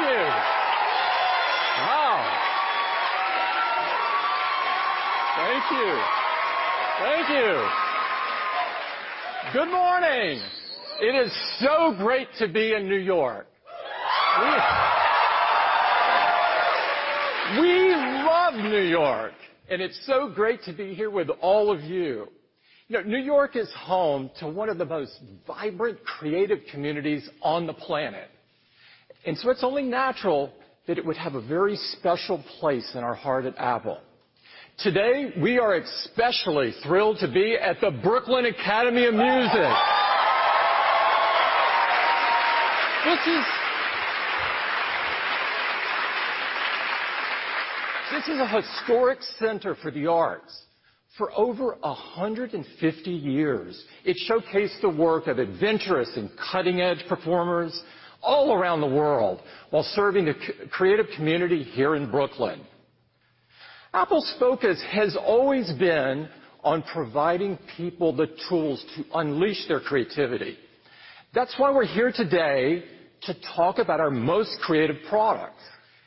Thank you. Wow. Thank you. Thank you. Good morning. It is so great to be in New York. We love New York, and it's so great to be here with all of you. New York is home to one of the most vibrant creative communities on the planet. So it's only natural that it would have a very special place in our heart at Apple. Today, we are especially thrilled to be at the Brooklyn Academy of Music. This is a historic center for the arts. For over 150 years, it showcased the work of adventurous and cutting-edge performers all around the world while serving the creative community here in Brooklyn. Apple's focus has always been on providing people the tools to unleash their creativity. That's why we're here today to talk about our most creative product.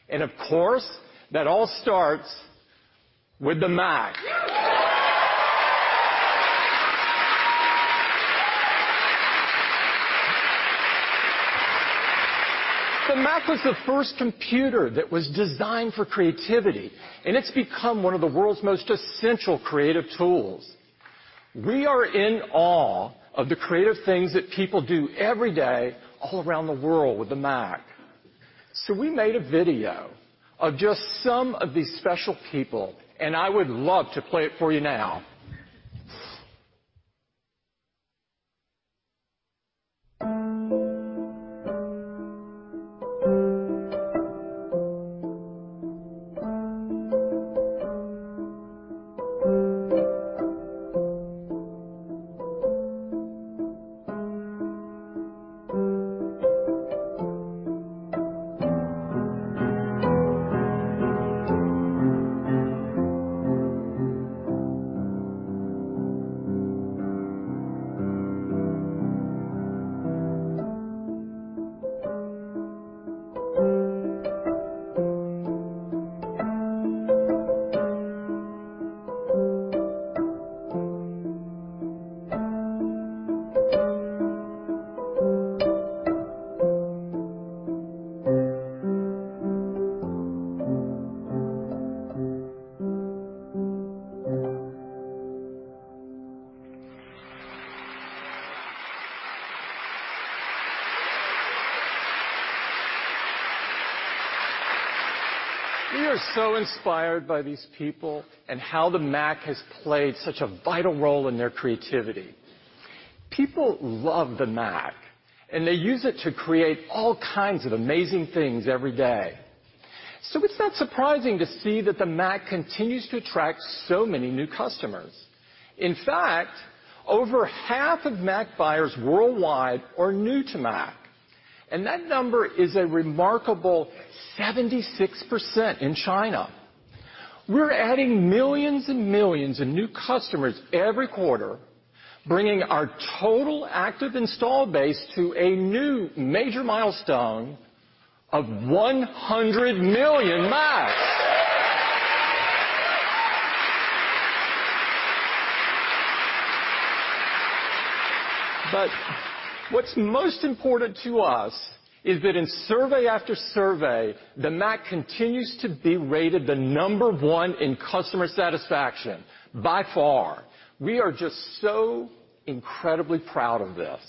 Of course, that all starts with the Mac. The Mac was the first computer that was designed for creativity, it's become one of the world's most essential creative tools. We are in awe of the creative things that people do every day all around the world with the Mac. We made a video of just some of these special people, I would love to play it for you now. We are so inspired by these people and how the Mac has played such a vital role in their creativity. People love the Mac, they use it to create all kinds of amazing things every day. It's not surprising to see that the Mac continues to attract so many new customers. In fact, over half of Mac buyers worldwide are new to Mac, that number is a remarkable 76% in China. We're adding millions and millions of new customers every quarter, bringing our total active install base to a new major milestone of 100 million Macs. What's most important to us is that in survey after survey, the Mac continues to be rated the number one in customer satisfaction by far. We are just so incredibly proud of this.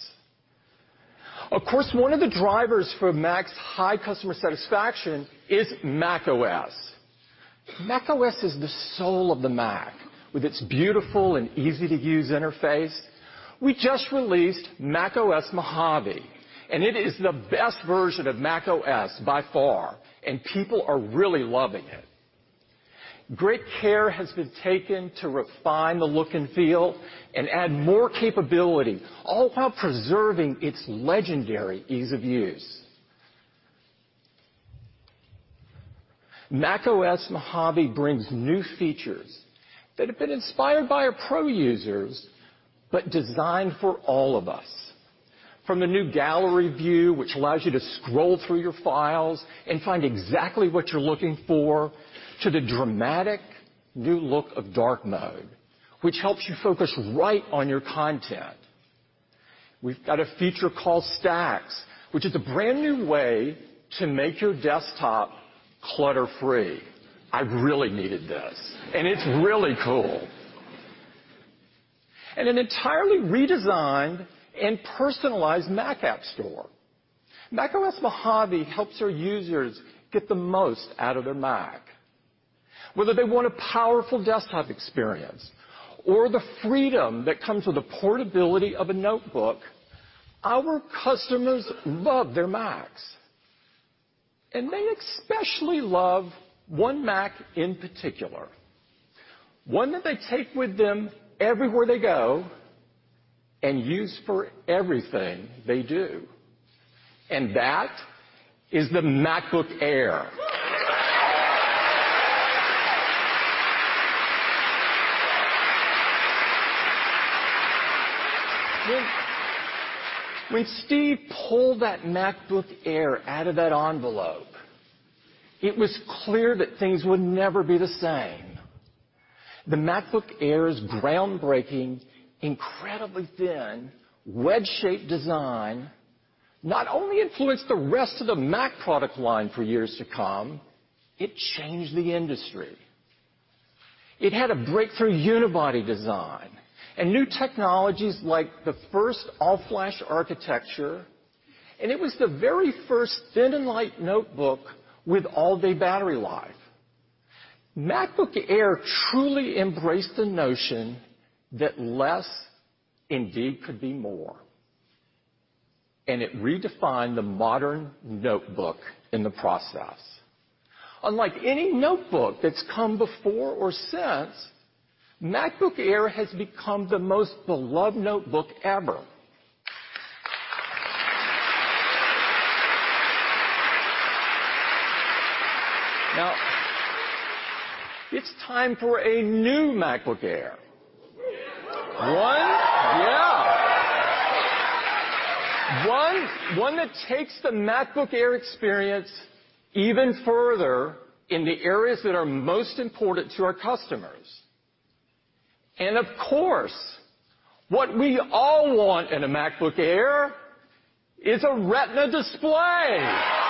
Of course, one of the drivers for Mac's high customer satisfaction is macOS. macOS is the soul of the Mac, with its beautiful and easy-to-use interface. We just released macOS Mojave, it is the best version of macOS by far, people are really loving it. Great care has been taken to refine the look and feel and add more capability, all while preserving its legendary ease of use. macOS Mojave brings new features that have been inspired by our pro users, designed for all of us. From the new gallery view, which allows you to scroll through your files and find exactly what you're looking for, to the dramatic new look of dark mode, which helps you focus right on your content. We've got a feature called Stacks, which is a brand-new way to make your desktop clutter-free. I really needed this, it's really cool. An entirely redesigned and personalized Mac App Store. macOS Mojave helps our users get the most out of their Mac. Whether they want a powerful desktop experience or the freedom that comes with the portability of a notebook, our customers love their Macs. They especially love one Mac in particular, one that they take with them everywhere they go and use for everything they do. That is the MacBook Air. When Steve pulled that MacBook Air out of that envelope, it was clear that things would never be the same. The MacBook Air's groundbreaking, incredibly thin, wedge-shaped design not only influenced the rest of the Mac product line for years to come, it changed the industry. It had a breakthrough unibody design and new technologies like the first all flash architecture, and it was the very first thin and light notebook with all-day battery life. MacBook Air truly embraced the notion that less indeed could be more, and it redefined the modern notebook in the process. Unlike any notebook that's come before or since, MacBook Air has become the most beloved notebook ever. Now, it's time for a new MacBook Air. Yeah. One that takes the MacBook Air experience even further in the areas that are most important to our customers. Of course, what we all want in a MacBook Air is a Retina display.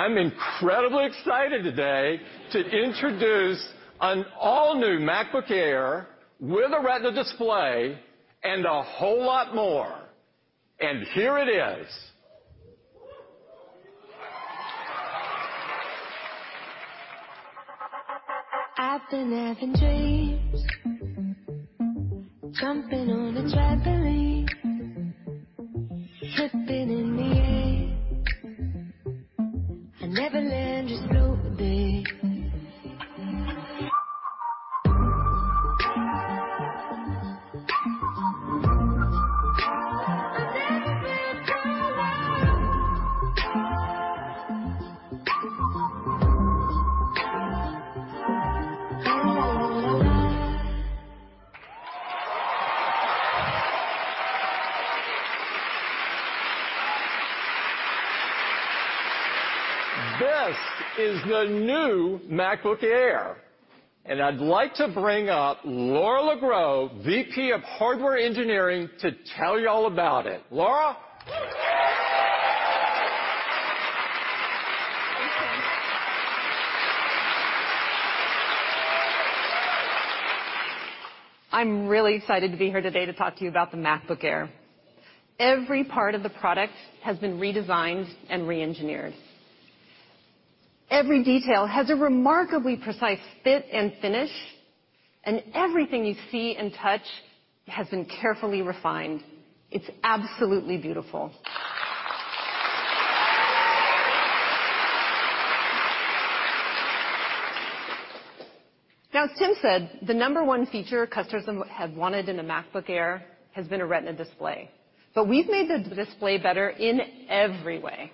I'm incredibly excited today to introduce an all-new MacBook Air with a Retina display and a whole lot more. Here it is. I've been having dreams. Jumping on a trampoline. Flipping in the air. I never land, just float there. I never feel better. Oh. This is the new MacBook Air. I'd like to bring up Laura Legros, VP of Hardware Engineering, to tell you all about it. Laura. I'm really excited to be here today to talk to you about the MacBook Air. Every part of the product has been redesigned and re-engineered. Every detail has a remarkably precise fit and finish, and everything you see and touch has been carefully refined. It's absolutely beautiful. As Tim said, the number one feature customers have wanted in a MacBook Air has been a Retina display. We've made the display better in every way.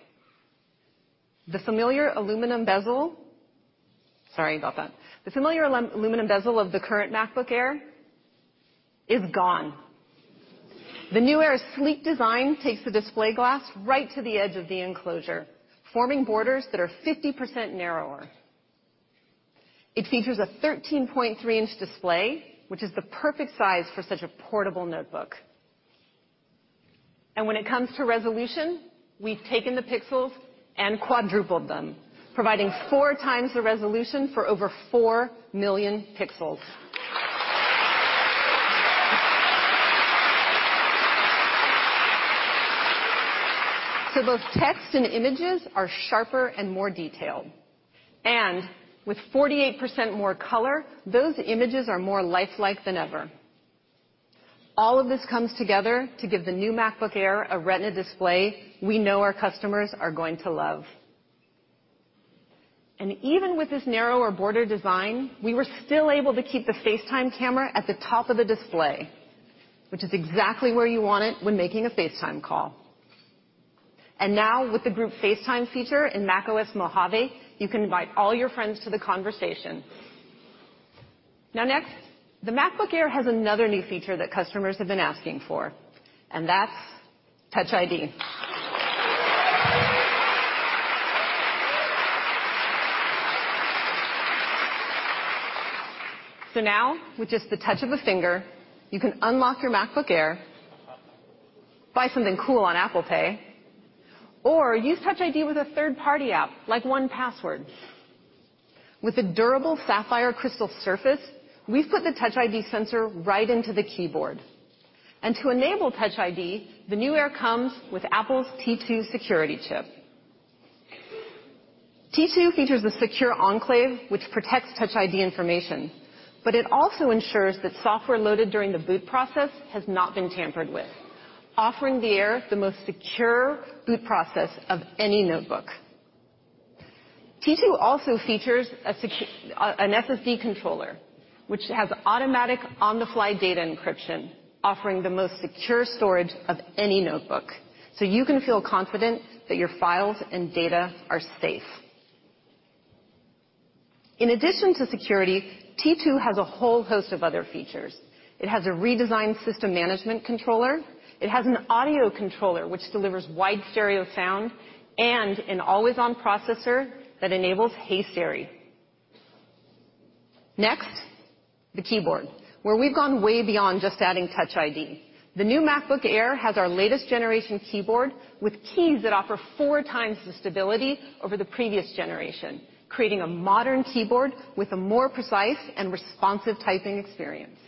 The familiar aluminum bezel of the current MacBook Air is gone. Ooh. The new Air's sleek design takes the display glass right to the edge of the enclosure, forming borders that are 50% narrower. It features a 13.3-inch display, which is the perfect size for such a portable notebook. When it comes to resolution, we've taken the pixels and quadrupled them, providing four times the resolution for over 4 million pixels. Both text and images are sharper and more detailed. With 48% more color, those images are more lifelike than ever. All of this comes together to give the new MacBook Air a Retina display we know our customers are going to love. Even with this narrower border design, we were still able to keep the FaceTime camera at the top of the display, which is exactly where you want it when making a FaceTime call. Now with the Group FaceTime feature in macOS Mojave, you can invite all your friends to the conversation. Next, the MacBook Air has another new feature that customers have been asking for, and that's Touch ID. Now with just the touch of a finger, you can unlock your MacBook Air, buy something cool on Apple Pay, or use Touch ID with a third-party app like 1Password. With a durable sapphire crystal surface, we've put the Touch ID sensor right into the keyboard. To enable Touch ID, the new Air comes with Apple's T2 Security Chip. T2 features a secure enclave, which protects Touch ID information, but it also ensures that software loaded during the boot process has not been tampered with, offering the Air the most secure boot process of any notebook. T2 also features an SSD controller, which has automatic on-the-fly data encryption, offering the most secure storage of any notebook. You can feel confident that your files and data are safe. In addition to security, T2 has a whole host of other features. It has a redesigned system management controller. It has an audio controller which delivers wide stereo sound and an always-on processor that enables Hey Siri. The keyboard, where we've gone way beyond just adding Touch ID. The new MacBook Air has our latest generation keyboard with keys that offer four times the stability over the previous generation, creating a modern keyboard with a more precise and responsive typing experience,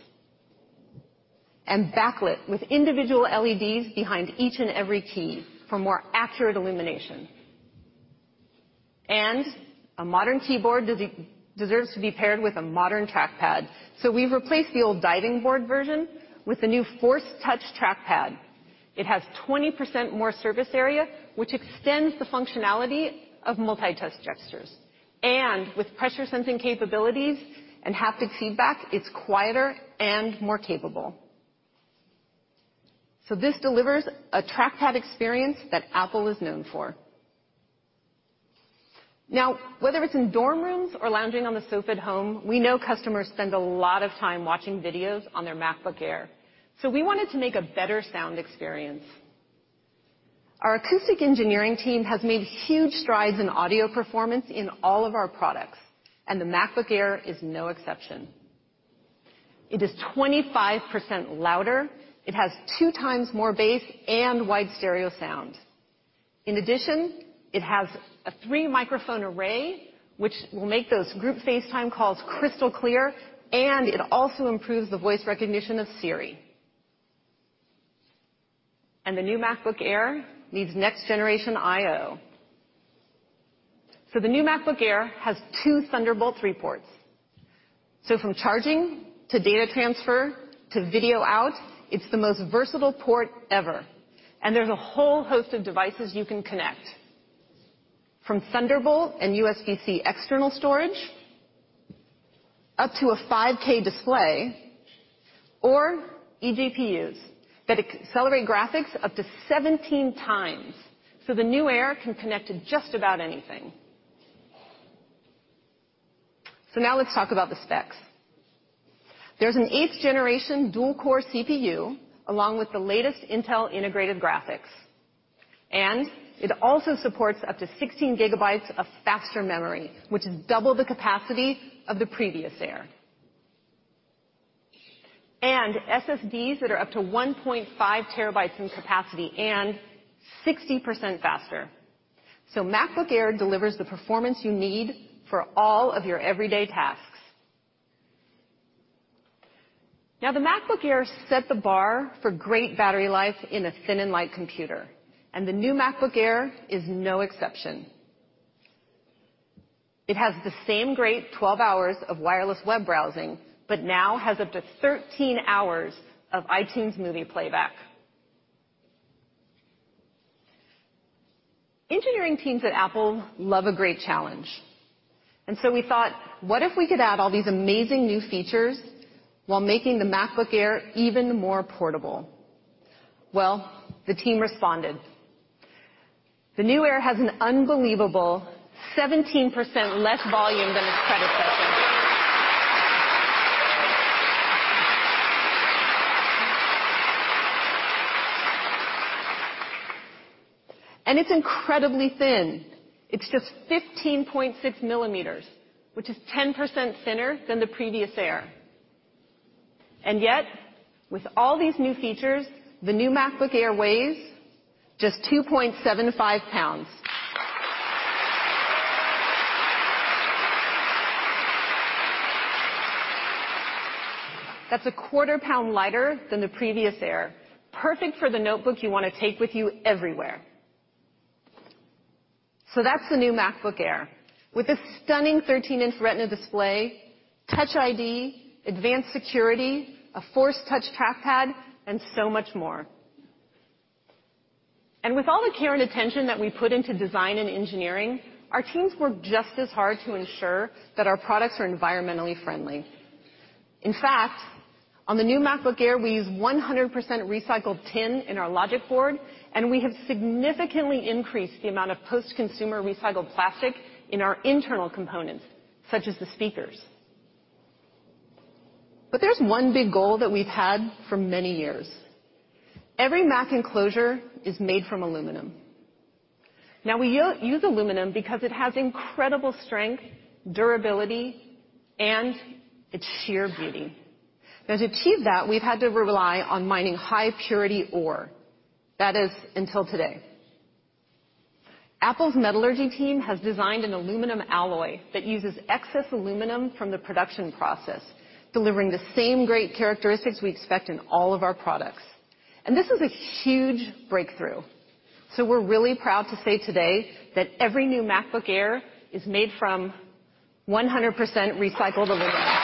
backlit with individual LEDs behind each and every key for more accurate illumination. A modern keyboard deserves to be paired with a modern trackpad. We've replaced the old diving board version with the new Force Touch trackpad. It has 20% more surface area, which extends the functionality of multi-touch gestures, with pressure sensing capabilities and haptic feedback, it's quieter and more capable. This delivers a trackpad experience that Apple is known for. Whether it's in dorm rooms or lounging on the sofa at home, we know customers spend a lot of time watching videos on their MacBook Air. We wanted to make a better sound experience. Our acoustic engineering team has made huge strides in audio performance in all of our products, and the MacBook Air is no exception. It is 25% louder. It has two times more bass and wide stereo sound. In addition, it has a three-microphone array, which will make those Group FaceTime calls crystal clear, and it also improves the voice recognition of Siri. The new MacBook Air needs next generation IO. The new MacBook Air has two Thunderbolt 3 ports. From charging to data transfer to video out, it's the most versatile port ever, and there's a whole host of devices you can connect, from Thunderbolt and USB-C external storage up to a 5K display or eGPUs that accelerate graphics up to 17 times. The new Air can connect to just about anything. Now let's talk about the specs. There's an eighth-generation dual-core CPU, along with the latest Intel integrated graphics. It also supports up to 16 GB of faster memory, which is double the capacity of the previous Air. SSDs that are up to 1.5 TB in capacity and 60% faster. MacBook Air delivers the performance you need for all of your everyday tasks. Now, the MacBook Air set the bar for great battery life in a thin and light computer, and the new MacBook Air is no exception. It has the same great 12 hours of wireless web browsing, but now has up to 13 hours of iTunes movie playback. Engineering teams at Apple love a great challenge, we thought, what if we could add all these amazing new features while making the MacBook Air even more portable? Well, the team responded. The new Air has an unbelievable 17% less volume than its predecessor. It's incredibly thin. It's just 15.6 mm, which is 10% thinner than the previous Air. With all these new features, the new MacBook Air weighs just 2.75 lbs. That's a quarter pound lighter than the previous Air. Perfect for the notebook you want to take with you everywhere. That's the new MacBook Air. With a stunning 13-inch Retina display, Touch ID, advanced security, a Force Touch trackpad, and so much more. With all the care and attention that we put into design and engineering, our teams work just as hard to ensure that our products are environmentally friendly. In fact, on the new MacBook Air, we use 100% recycled tin in our logic board, and we have significantly increased the amount of post-consumer recycled plastic in our internal components, such as the speakers. There's one big goal that we've had for many years. Every Mac enclosure is made from aluminum. We use aluminum because it has incredible strength, durability, and its sheer beauty. To achieve that, we've had to rely on mining high-purity ore. That is, until today. Apple's metallurgy team has designed an aluminum alloy that uses excess aluminum from the production process, delivering the same great characteristics we expect in all of our products. This is a huge breakthrough. We're really proud to say today that every new MacBook Air is made from 100% recycled aluminum.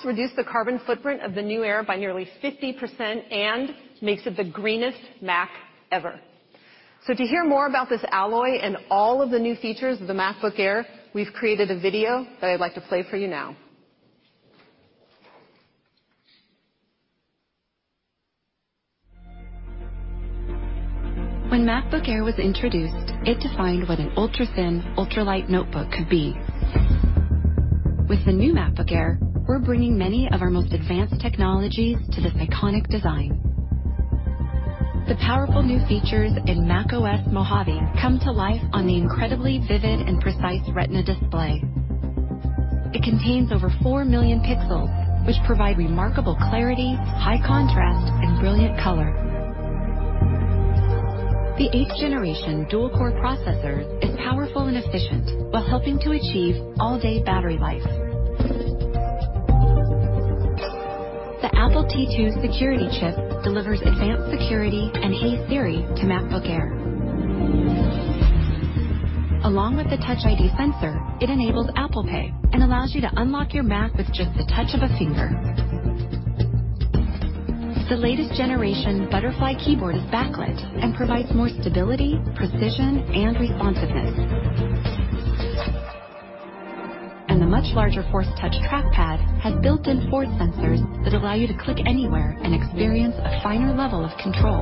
This helps reduce the carbon footprint of the new Air by nearly 50% and makes it the greenest Mac ever. To hear more about this alloy and all of the new features of the MacBook Air, we've created a video that I'd like to play for you now. When MacBook Air was introduced, it defined what an ultra thin, ultra light notebook could be. With the new MacBook Air, we're bringing many of our most advanced technologies to this iconic design. The powerful new features in macOS Mojave come to life on the incredibly vivid and precise Retina display. It contains over four million pixels, which provide remarkable clarity, high contrast, and brilliant color. The eighth generation dual core processor is powerful and efficient while helping to achieve all-day battery life. The Apple T2 Security Chip delivers advanced security and Hey Siri to MacBook Air. Along with the Touch ID sensor, it enables Apple Pay and allows you to unlock your Mac with just the touch of a finger. The latest generation butterfly keyboard is backlit and provides more stability, precision, and responsiveness. The much larger Force Touch trackpad has built-in force sensors that allow you to click anywhere and experience a finer level of control.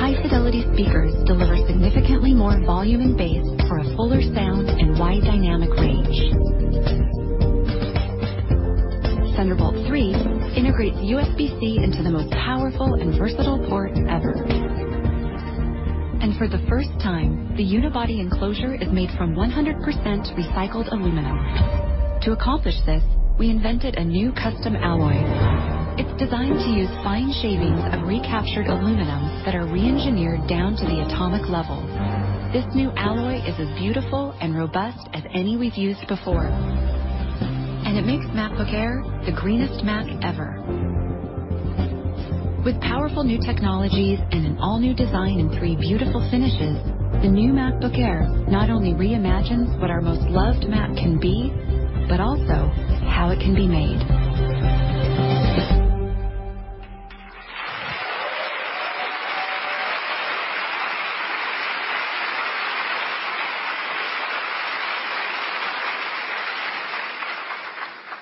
High fidelity speakers deliver significantly more volume and bass for a fuller sound and wide dynamic range. Thunderbolt 3 integrates USB-C into the most powerful and versatile port ever. For the first time, the unibody enclosure is made from 100% recycled aluminum. To accomplish this, we invented a new custom alloy. It's designed to use fine shavings of recaptured aluminum that are re-engineered down to the atomic level. This new alloy is as beautiful and robust as any we've used before, and it makes MacBook Air the greenest Mac ever. With powerful new technologies and an all-new design in three beautiful finishes, the new MacBook Air not only reimagines what our most loved Mac can be, but also how it can be made.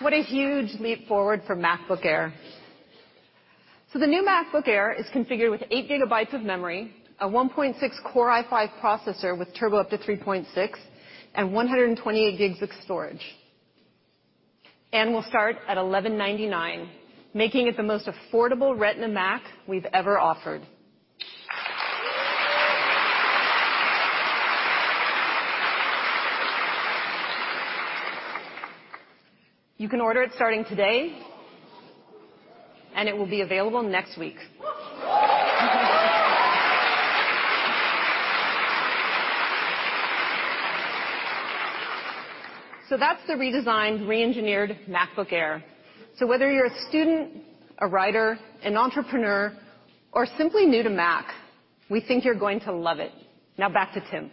What a huge leap forward for MacBook Air. The new MacBook Air is configured with eight gigabytes of memory, a 1.6 Core i5 processor with turbo up to 3.6, and 128 gigs of storage. Will start at $1,199, making it the most affordable Retina Mac we've ever offered. You can order it starting today, and it will be available next week. That's the redesigned, re-engineered MacBook Air. Whether you're a student, a writer, an entrepreneur, or simply new to Mac, we think you're going to love it. Back to Tim.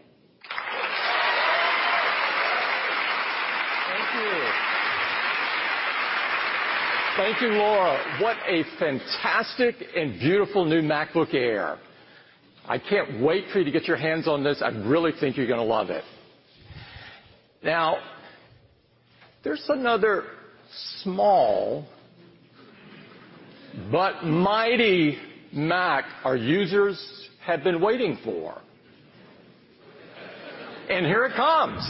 Thank you. Thank you, Laura. What a fantastic and beautiful new MacBook Air. I cannot wait for you to get your hands on this. I really think you are going to love it. There is another small but mighty Mac our users have been waiting for. Here it comes.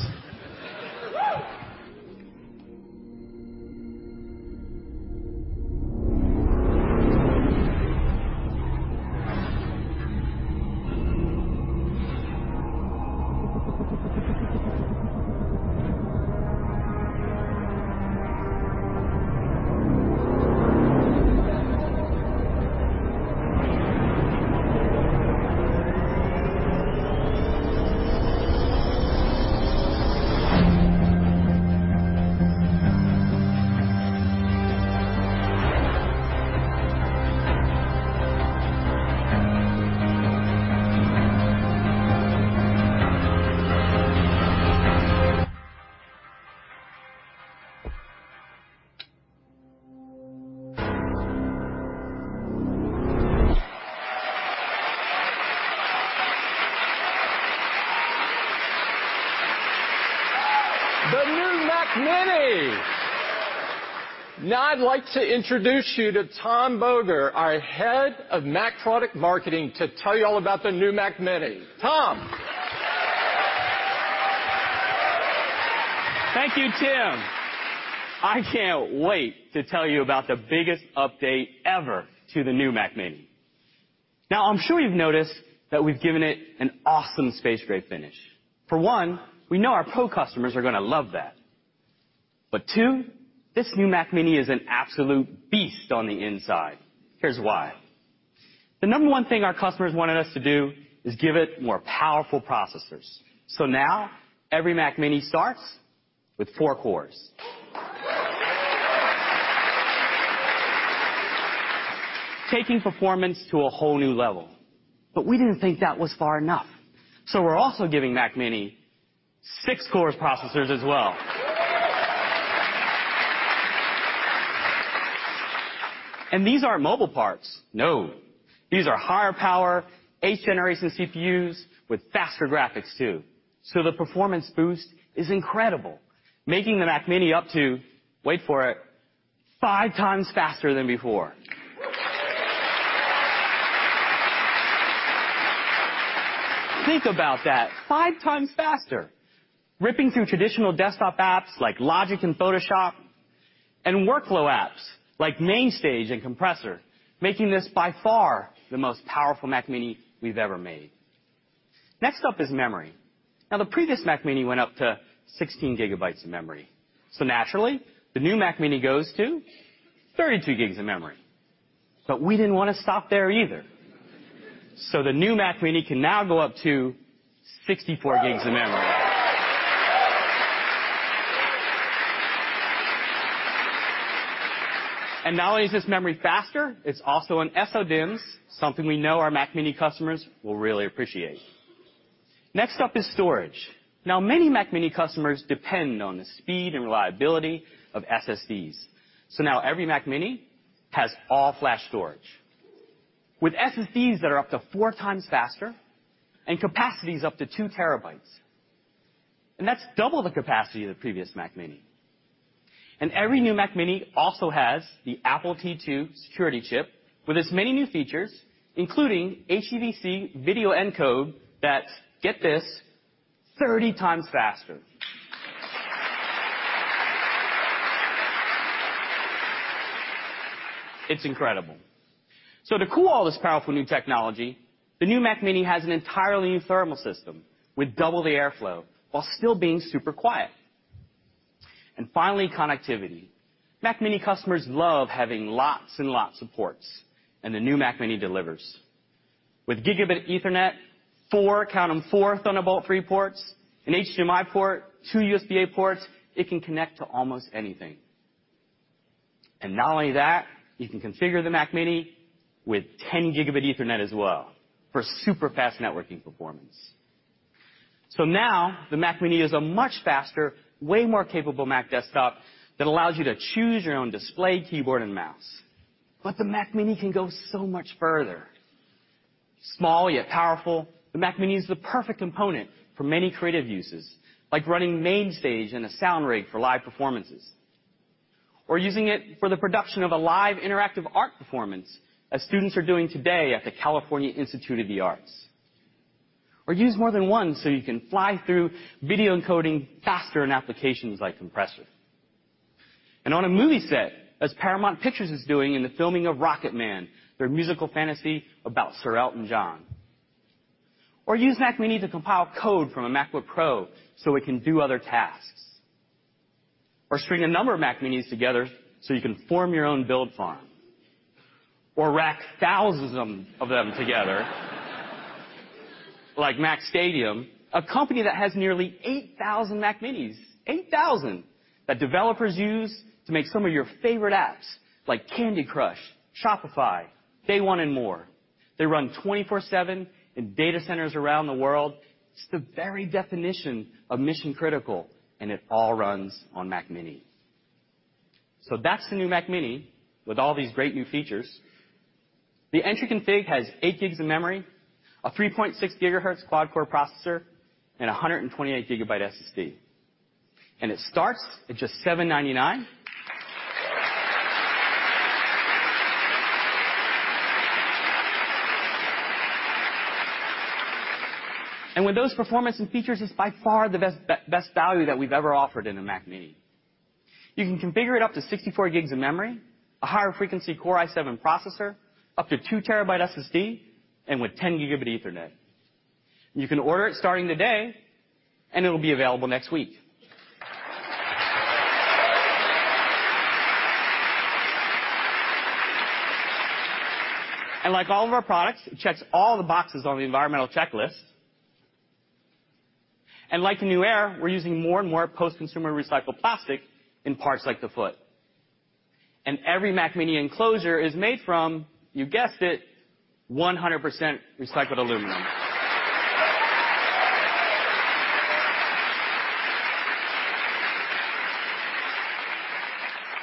The new Mac mini. I would like to introduce you to Tom Boger, our head of Mac Product Marketing, to tell you all about the new Mac mini. Tom. Thank you, Tim. I cannot wait to tell you about the biggest update ever to the new Mac mini. I am sure you have noticed that we have given it an awesome space gray finish. For one, we know our pro customers are going to love that. Two, this new Mac mini is an absolute beast on the inside. Here is why. The number one thing our customers wanted us to do is give it more powerful processors. Every Mac mini starts with four cores. Taking performance to a whole new level. We did not think that was far enough, we are also giving Mac mini six core processors as well. These are not mobile parts. No. These are higher power, eighth generation CPUs with faster graphics, too. The performance boost is incredible, making the Mac mini up to, wait for it, five times faster than before. Think about that. Five times faster. Ripping through traditional desktop apps like Logic and Photoshop and workflow apps like MainStage and Compressor, making this by far the most powerful Mac mini we have ever made. Next up is memory. The previous Mac mini went up to 16 gigabytes of memory. Naturally, the new Mac mini goes to 32 gigs of memory. We did not want to stop there either. The new Mac mini can now go up to 64 gigs of memory. Not only is this memory faster, it is also on SODIMMs, something we know our Mac mini customers will really appreciate. Next up is storage. Many Mac mini customers depend on the speed and reliability of SSDs. Every Mac mini has all flash storage with SSDs that are up to four times faster and capacities up to 2 terabytes, that is double the capacity of the previous Mac mini. Every new Mac mini also has the Apple T2 Security Chip with its many new features, including HEVC video encode that is, get this, 30 times faster. It is incredible. To cool all this powerful new technology, the new Mac mini has an entirely new thermal system with double the airflow while still being super quiet. Finally, connectivity. Mac mini customers love having lots and lots of ports, the new Mac mini delivers. With gigabit Ethernet, four, count them, four Thunderbolt 3 ports, an HDMI port, two USB-A ports, it can connect to almost anything. Not only that, you can configure the Mac mini with 10 gigabit Ethernet as well for super fast networking performance. Now the Mac mini is a much faster, way more capable Mac desktop that allows you to choose your own display, keyboard, and mouse. The Mac mini can go so much further. Small, yet powerful, the Mac mini is the perfect component for many creative uses, like running MainStage and a sound rig for live performances, or using it for the production of a live interactive art performance, as students are doing today at the California Institute of the Arts. Use more than one so you can fly through video encoding faster in applications like Compressor. On a movie set, as Paramount Pictures is doing in the filming of Rocketman, their musical fantasy about Sir Elton John. Use Mac mini to compile code from a MacBook Pro so it can do other tasks. String a number of Mac minis together so you can form your own build farm. Rack thousands of them together like MacStadium, a company that has nearly 8,000 Mac minis, 8,000, that developers use to make some of your favorite apps like Candy Crush, Shopify, Day One, and more. They run 24/7 in data centers around the world. It's the very definition of mission critical, and it all runs on Mac mini. That's the new Mac mini with all these great new features. The entry config has eight GB of memory, a 3.6 gigahertz quad core processor, and 128 GB SSD. It starts at just $799. With those performance and features, it's by far the best value that we've ever offered in a Mac mini. You can configure it up to 64 GB of memory, a higher frequency Core i7 processor, up to two TB SSD, and with 10 gigabit Ethernet. You can order it starting today. It'll be available next week. Like all of our products, it checks all the boxes on the environmental checklist. Like the new Air, we're using more and more post-consumer recycled plastic in parts like the foot. Every Mac mini enclosure is made from, you guessed it, 100% recycled aluminum.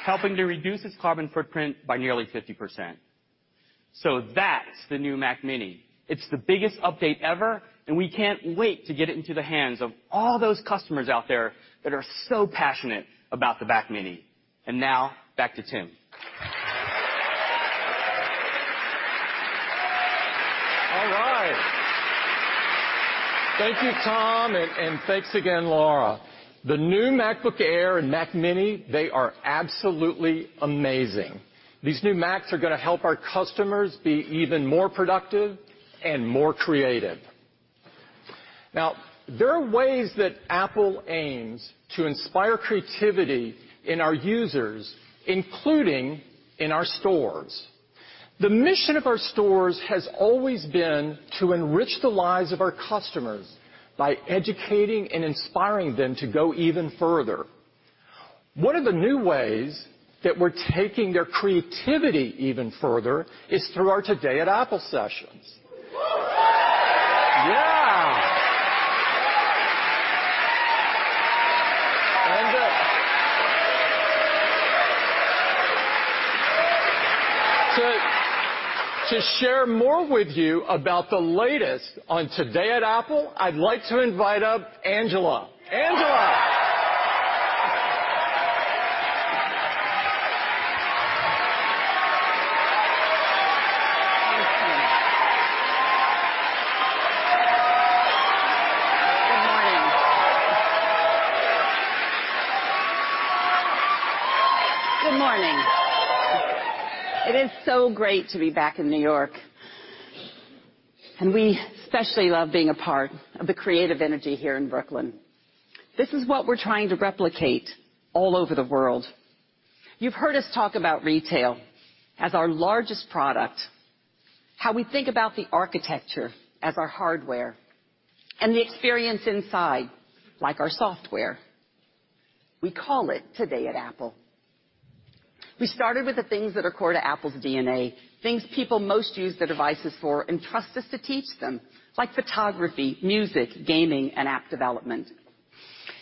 Helping to reduce its carbon footprint by nearly 50%. That's the new Mac mini. It's the biggest update ever, and we can't wait to get it into the hands of all those customers out there that are so passionate about the Mac mini. Now back to Tim. All right. Thank you, Tom. Thanks again, Laura. The new MacBook Air and Mac mini, they are absolutely amazing. These new Macs are going to help our customers be even more productive and more creative. There are ways that Apple aims to inspire creativity in our users, including in our stores. The mission of our stores has always been to enrich the lives of our customers by educating and inspiring them to go even further. One of the new ways that we're taking their creativity even further is through our Today at Apple sessions. Yeah. To share more with you about the latest on Today at Apple, I'd like to invite up Angela. Angela. Good morning. Good morning. It is so great to be back in New York, and we especially love being a part of the creative energy here in Brooklyn. This is what we're trying to replicate all over the world. You've heard us talk about retail as our largest product, how we think about the architecture as our hardware, and the experience inside, like our software. We call it Today at Apple. We started with the things that are core to Apple's DNA, things people most use their devices for and trust us to teach them, like photography, music, gaming, and app development.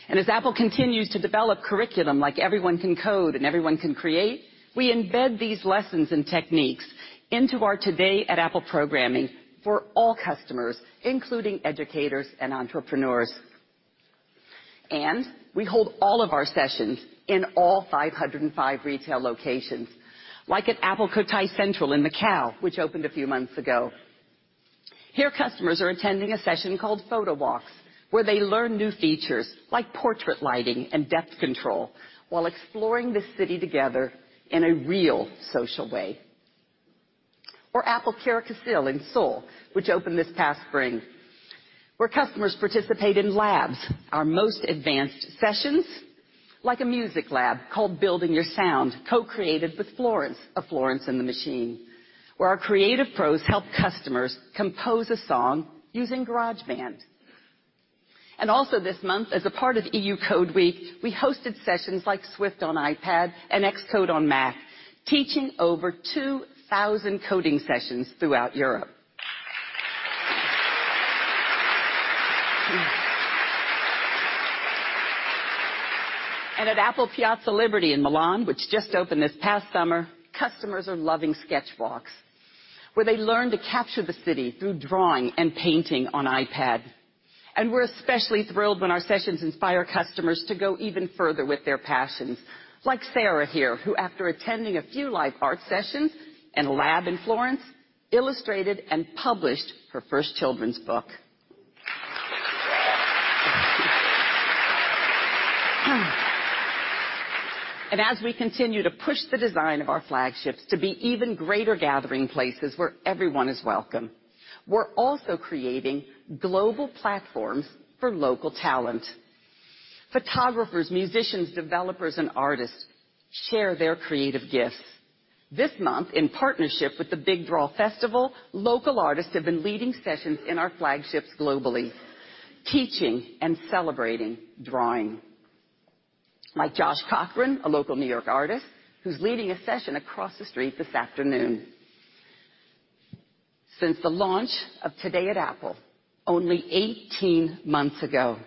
As Apple continues to develop curriculum, like Everyone Can Code and Everyone Can Create, we embed these lessons and techniques into our Today at Apple programming for all customers, including educators and entrepreneurs. We hold all of our sessions in all 505 retail locations, like at Apple Cotai Central in Macao, which opened a few months ago. Here, customers are attending a session called Photo Walks, where they learn new features like portrait lighting and depth control while exploring the city together in a real social way. Apple Garosugil in Seoul, which opened this past spring, where customers participate in labs, our most advanced sessions, like a music lab called Building Your Sound, co-created with Florence of Florence + The Machine, where our creative pros help customers compose a song using GarageBand. Also this month, as a part of EU Code Week, we hosted sessions like Swift on iPad and Xcode on Mac, teaching over 2,000 coding sessions throughout Europe. At Apple Piazza Liberty in Milan, which just opened this past summer, customers are loving Sketch Walks, where they learn to capture the city through drawing and painting on iPad. We're especially thrilled when our sessions inspire customers to go even further with their passions, like Sarah here, who after attending a few life art sessions and a lab in Florence, illustrated and published her first children's book. As we continue to push the design of our flagships to be even greater gathering places where everyone is welcome, we're also creating global platforms for local talent. Photographers, musicians, developers, and artists share their creative gifts. This month, in partnership with The Big Draw Festival, local artists have been leading sessions in our flagships globally, teaching and celebrating drawing, like Josh Cochran, a local New York artist who's leading a session across the street this afternoon. Since the launch of Today at Apple only 18 months ago,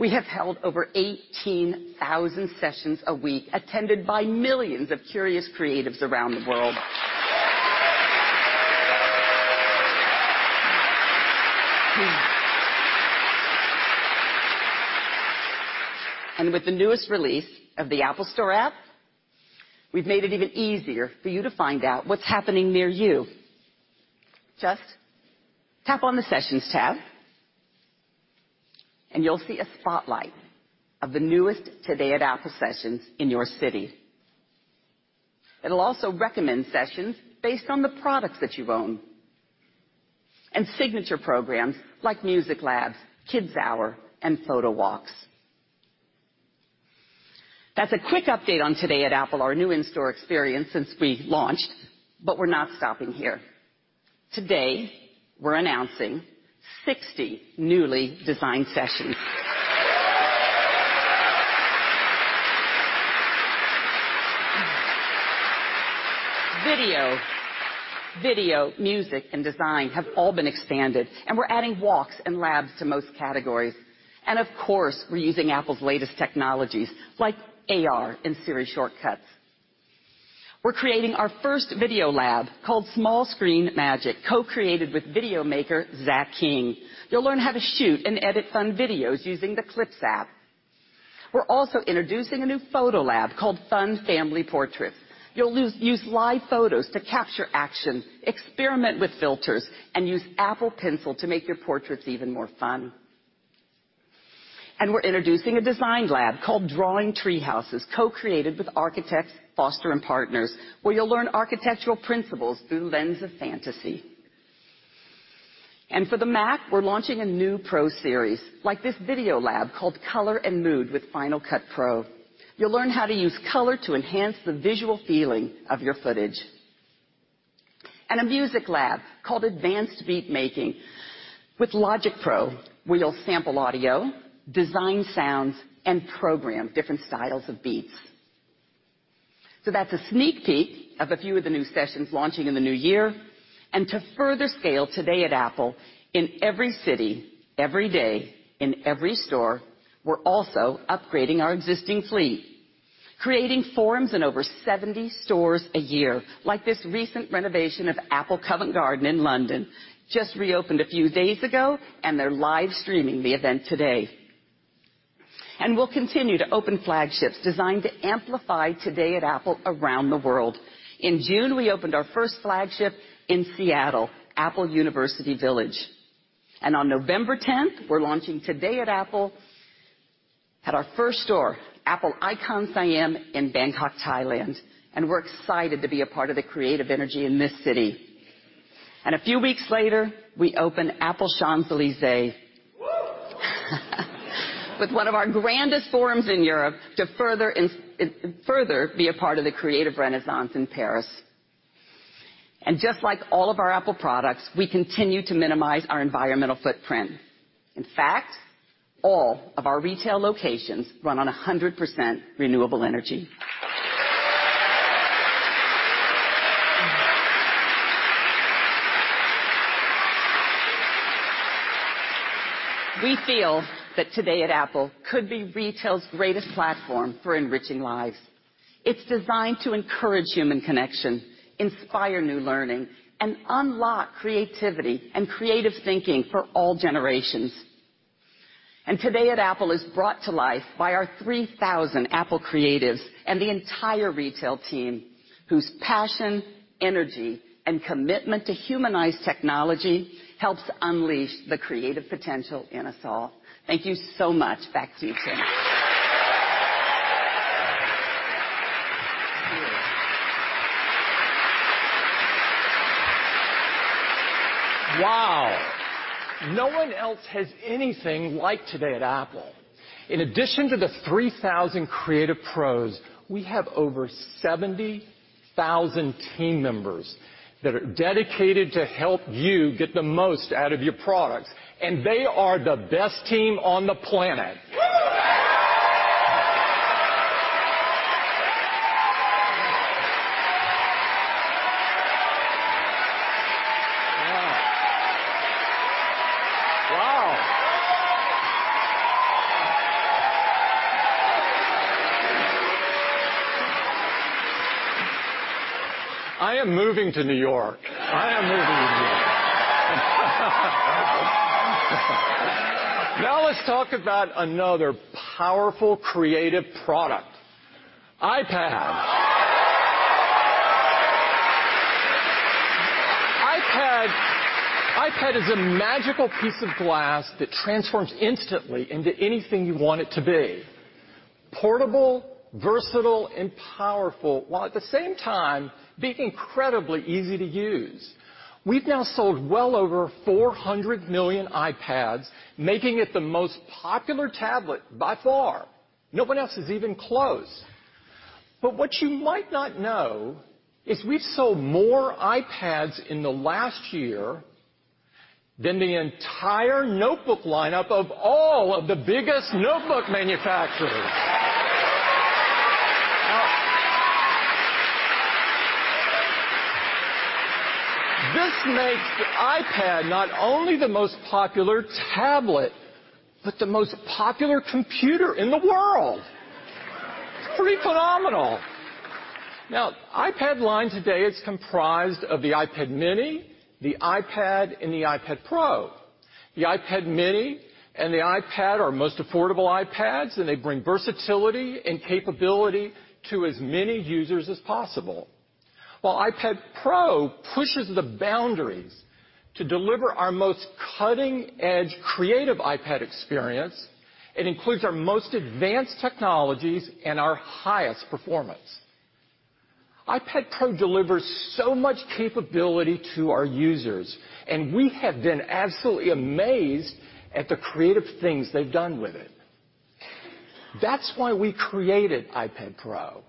we have held over 18,000 sessions a week, attended by millions of curious creatives around the world. With the newest release of the Apple Store app, we've made it even easier for you to find out what's happening near you. Just tap on the Sessions tab, and you'll see a spotlight of the newest Today at Apple sessions in your city. It'll also recommend sessions based on the products that you own and signature programs like Music Labs, Kids Hour, and Photo Walks. That's a quick update on Today at Apple, our new in-store experience since we launched, but we're not stopping here. Today, we're announcing 60 newly designed sessions. Video, music, and design have all been expanded, and we're adding walks and labs to most categories. Of course, we're using Apple's latest technologies like AR and Siri Shortcuts. We're creating our first video lab called Small Screen Magic, co-created with video maker Zach King. You'll learn how to shoot and edit fun videos using the Clips app. We're also introducing a new photo lab called Fun Family Portraits. You'll use live photos to capture action, experiment with filters, and use Apple Pencil to make your portraits even more fun. We're introducing a design lab called Drawing Treehouses, co-created with architects Foster + Partners, where you'll learn architectural principles through the lens of fantasy. For the Mac, we're launching a new Pro series, like this video lab called Color and Mood with Final Cut Pro. You'll learn how to use color to enhance the visual feeling of your footage. A music lab called Advanced Beat Making with Logic Pro, where you'll sample audio, design sounds, and program different styles of beats. So that's a sneak peek of a few of the new sessions launching in the new year. To further scale Today at Apple, in every city, every day, in every store, we're also upgrading our existing fleet, creating forums in over 70 stores a year, like this recent renovation of Apple Covent Garden in London. Just reopened a few days ago, and they're live streaming the event today. We'll continue to open flagships designed to amplify Today at Apple around the world. In June, we opened our first flagship in Seattle, Apple University Village. On November 10th, we're launching Today at Apple at our first store, Apple Iconsiam in Bangkok, Thailand, and we're excited to be a part of the creative energy in this city. A few weeks later, we open Apple Champs-Élysées. Whoo! With one of our grandest forums in Europe to further be a part of the creative renaissance in Paris. Just like all of our Apple products, we continue to minimize our environmental footprint. In fact, all of our retail locations run on 100% renewable energy. We feel that Today at Apple could be retail's greatest platform for enriching lives. It's designed to encourage human connection, inspire new learning, and unlock creativity and creative thinking for all generations. Today at Apple is brought to life by our 3,000 Apple creatives and the entire retail team, whose passion, energy, and commitment to humanize technology helps unleash the creative potential in us all. Thank you so much. Back to you, Tim. Wow. No one else has anything like Today at Apple. In addition to the 3,000 creative pros, we have over 70,000 team members that are dedicated to help you get the most out of your products. They are the best team on the planet. Wow. I am moving to New York. I am moving to New York. Let's talk about another powerful creative product, iPad. iPad is a magical piece of glass that transforms instantly into anything you want it to be, portable, versatile, and powerful, while at the same time, being incredibly easy to use. We've now sold well over 400 million iPads, making it the most popular tablet by far. No one else is even close. What you might not know is we've sold more iPads in the last year than the entire notebook lineup of all of the biggest notebook manufacturers. This makes the iPad not only the most popular tablet, but the most popular computer in the world. It's pretty phenomenal. iPad line today is comprised of the iPad mini, the iPad, and the iPad Pro. The iPad mini and the iPad are our most affordable iPads, they bring versatility and capability to as many users as possible. While iPad Pro pushes the boundaries to deliver our most cutting-edge creative iPad experience, it includes our most advanced technologies and our highest performance. iPad Pro delivers so much capability to our users, we have been absolutely amazed at the creative things they've done with it. That's why we created iPad Pro.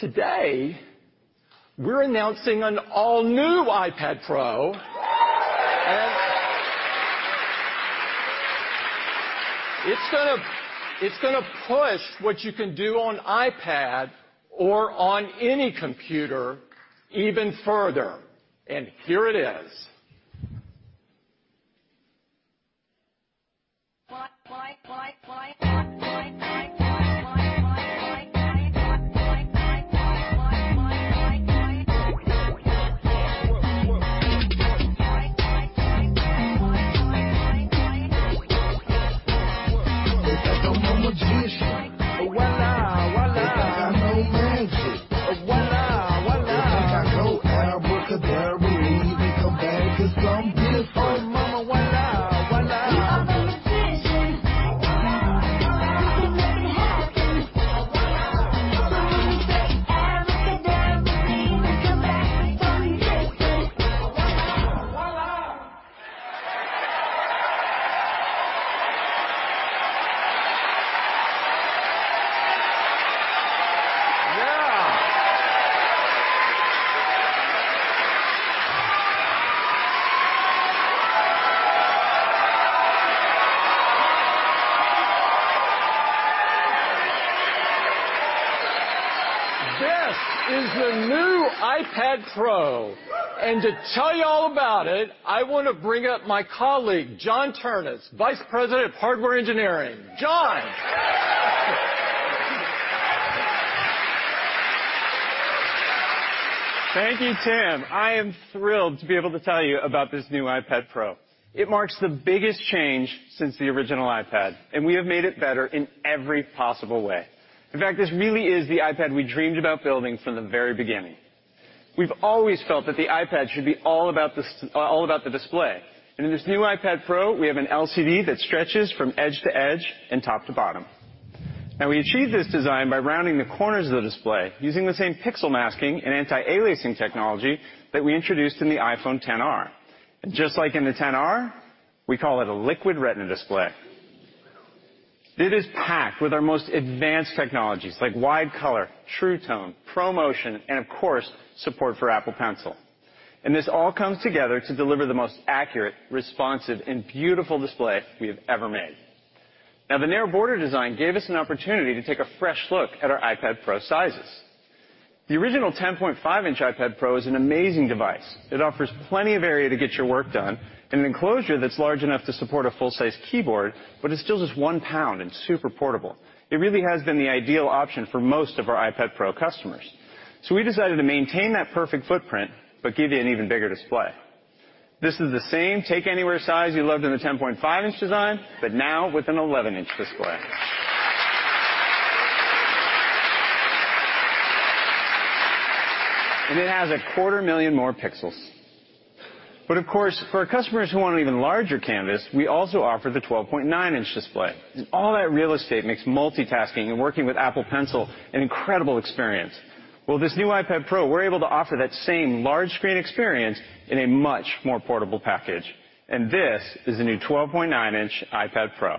Today, we're announcing an all-new iPad Pro. It's going to push what you can do on iPad or on any computer even further. Here it is. iPad Pro. To tell you all about it, I want to bring up my colleague, John Ternus, Vice President of Hardware Engineering. John. Thank you, Tim. I am thrilled to be able to tell you about this new iPad Pro. It marks the biggest change since the original iPad, we have made it better in every possible way. In fact, this really is the iPad we dreamed about building from the very beginning. We've always felt that the iPad should be all about the display. In this new iPad Pro, we have an LCD that stretches from edge to edge and top to bottom. Now, we achieved this design by rounding the corners of the display, using the same pixel masking and anti-aliasing technology that we introduced in the iPhone XR. Just like in the XR, we call it a Liquid Retina display. It is packed with our most advanced technologies, like Wide Color, True Tone, ProMotion, and of course, support for Apple Pencil. This all comes together to deliver the most accurate, responsive, and beautiful display we have ever made. Now, the narrow border design gave us an opportunity to take a fresh look at our iPad Pro sizes. The original 10.5-inch iPad Pro is an amazing device. It offers plenty of area to get your work done and an enclosure that's large enough to support a full-size keyboard, but it's still just one pound and super portable. It really has been the ideal option for most of our iPad Pro customers. We decided to maintain that perfect footprint, but give you an even bigger display. This is the same take-anywhere size you loved in the 10.5-inch design, but now with an 11-inch display. It has a quarter million more pixels. Of course, for our customers who want an even larger canvas, we also offer the 12.9-inch display. All that real estate makes multitasking and working with Apple Pencil an incredible experience. With this new iPad Pro, we're able to offer that same large screen experience in a much more portable package. This is the new 12.9-inch iPad Pro.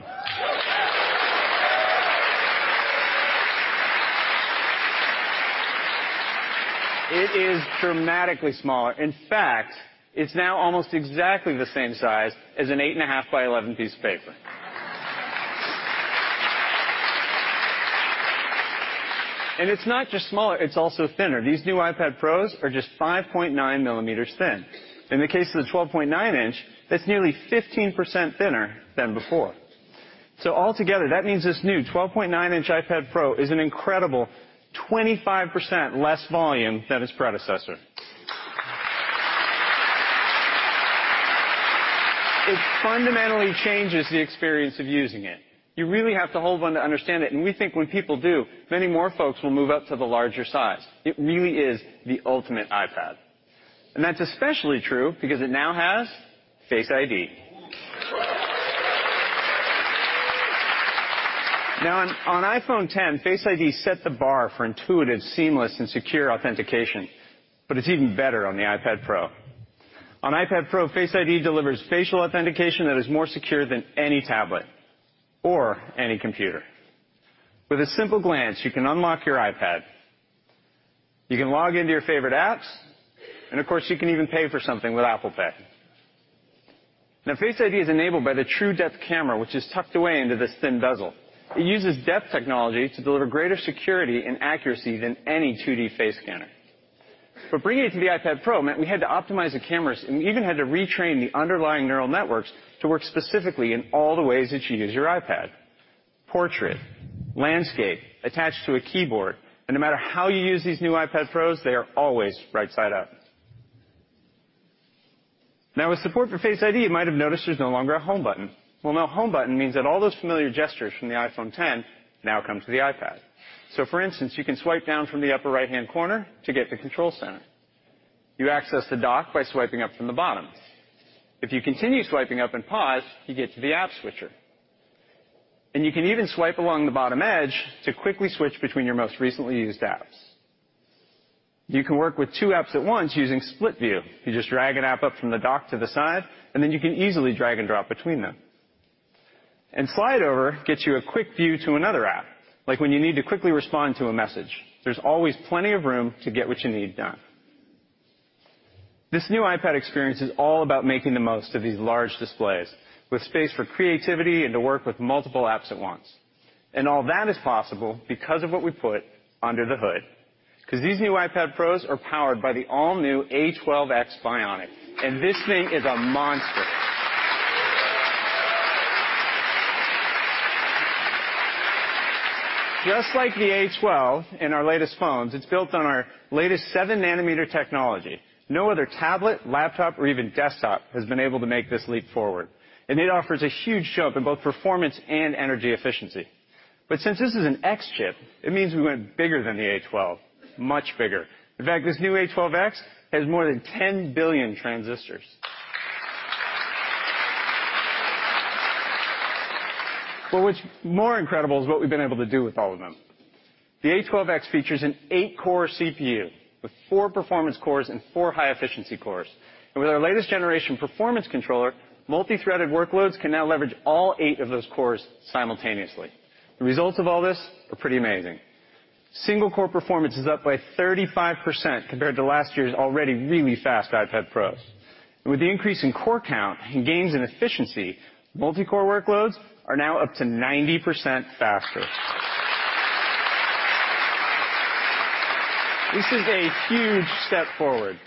It is dramatically smaller. In fact, it's now almost exactly the same size as an 8.5 by 11 piece of paper. It's not just smaller, it's also thinner. These new iPad Pros are just 5.9 millimeters thin. In the case of the 12.9 inch, that's nearly 15% thinner than before. Altogether, that means this new 12.9-inch iPad Pro is an incredible 25% less volume than its predecessor. It fundamentally changes the experience of using it. You really have to hold one to understand it, and we think when people do, many more folks will move up to the larger size. It really is the ultimate iPad. That's especially true because it now has Face ID. On iPhone X, Face ID set the bar for intuitive, seamless, and secure authentication, but it's even better on the iPad Pro. On iPad Pro, Face ID delivers facial authentication that is more secure than any tablet or any computer. With a simple glance, you can unlock your iPad. You can log into your favorite apps, you can even pay for something with Apple Pay. Face ID is enabled by the TrueDepth camera, which is tucked away into this thin bezel. It uses depth technology to deliver greater security and accuracy than any 2D face scanner. Bringing it to the iPad Pro meant we had to optimize the cameras, we even had to retrain the underlying neural networks to work specifically in all the ways that you use your iPad: portrait, landscape, attached to a keyboard. No matter how you use these new iPad Pros, they are always right side up. With support for Face ID, you might have noticed there's no longer a Home button. No Home button means that all those familiar gestures from the iPhone X now come to the iPad. For instance, you can swipe down from the upper right-hand corner to get the control center. You access the dock by swiping up from the bottom. If you continue swiping up and pause, you get to the app switcher. You can even swipe along the bottom edge to quickly switch between your most recently used apps. You can work with two apps at once using Split View. You just drag an app up from the dock to the side, you can easily drag and drop between them. Slide Over gets you a quick view to another app, like when you need to quickly respond to a message. There's always plenty of room to get what you need done. This new iPad experience is all about making the most of these large displays, with space for creativity and to work with multiple apps at once. All that is possible because of what we put under the hood. These new iPad Pros are powered by the all-new A12X Bionic, this thing is a monster. Just like the A12 in our latest phones, it is built on our latest seven-nanometer technology. No other tablet, laptop, or even desktop has been able to make this leap forward. It offers a huge jump in both performance and energy efficiency. Since this is an X chip, it means we went bigger than the A12, much bigger. In fact, this new A12X has more than 10 billion transistors. What is more incredible is what we have been able to do with all of them. The A12X features an eight-core CPU with four performance cores and four high-efficiency cores. With our latest generation performance controller, multi-threaded workloads can now leverage all eight of those cores simultaneously. The results of all this are pretty amazing. Single-core performance is up by 35% compared to last year's already really fast iPad Pros. With the increase in core count and gains in efficiency, multi-core workloads are now up to 90% faster. This is a huge step forward.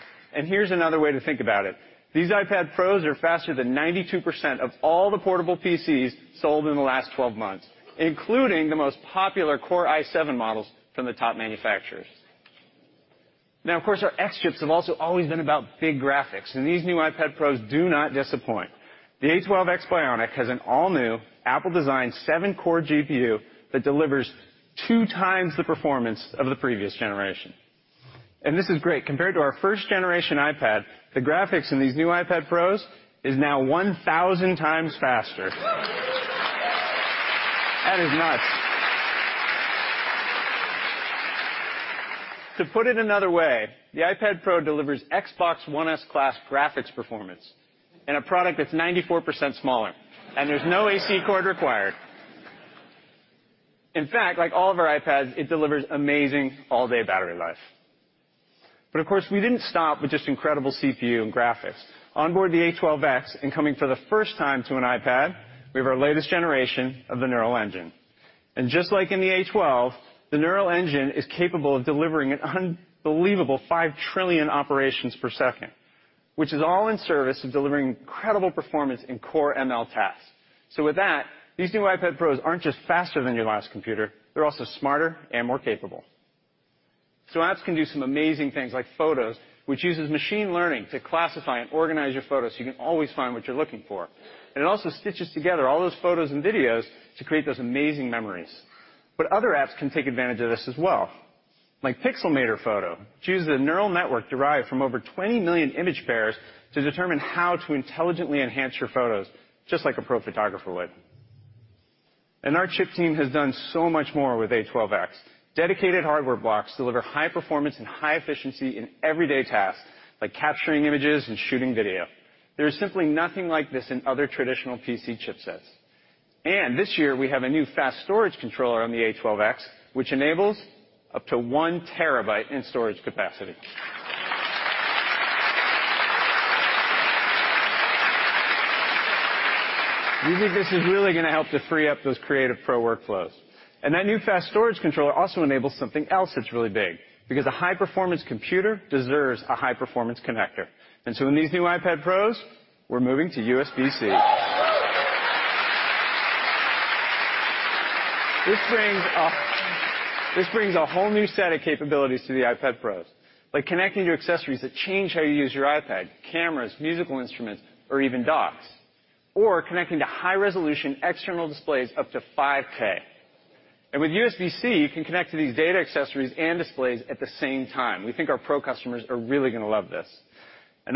Here is another way to think about it. These iPad Pros are faster than 92% of all the portable PCs sold in the last 12 months, including the most popular Core i7 models from the top manufacturers. Of course, our X chips have also always been about big graphics, and these new iPad Pros do not disappoint. The A12X Bionic has an all-new Apple-designed seven-core GPU that delivers two times the performance of the previous generation. This is great. Compared to our first generation iPad, the graphics in these new iPad Pros is now 1,000 times faster. That is nuts. To put it another way, the iPad Pro delivers Xbox One S class graphics performance in a product that is 94% smaller, and there is no AC cord required. In fact, like all of our iPads, it delivers amazing all-day battery life. Of course, we did not stop with just incredible CPU and graphics. Onboard the A12X, and coming for the first time to an iPad, we have our latest generation of the Neural Engine. Just like in the A12, the Neural Engine is capable of delivering an unbelievable five trillion operations per second, which is all in service of delivering incredible performance in Core ML tasks. With that, these new iPad Pros are not just faster than your last computer, they are also smarter and more capable. Apps can do some amazing things like Photos, which uses machine learning to classify and organize your photos so you can always find what you are looking for. It also stitches together all those photos and videos to create those amazing memories. Other apps can take advantage of this as well, like Pixelmator Photo, which uses a neural network derived from over 20 million image pairs to determine how to intelligently enhance your photos, just like a pro photographer would. Our chip team has done so much more with A12X. Dedicated hardware blocks deliver high performance and high efficiency in everyday tasks, like capturing images and shooting video. There is simply nothing like this in other traditional PC chipsets. This year, we have a new fast storage controller on the A12X, which enables up to one terabyte in storage capacity. We think this is really gonna help to free up those creative pro workflows. That new fast storage controller also enables something else that's really big, because a high-performance computer deserves a high-performance connector. So in these new iPad Pros, we're moving to USB-C. This brings a whole new set of capabilities to the iPad Pros, like connecting to accessories that change how you use your iPad, cameras, musical instruments, or even docks, or connecting to high-resolution external displays up to 5K. With USB-C, you can connect to these data accessories and displays at the same time. We think our pro customers are really gonna love this.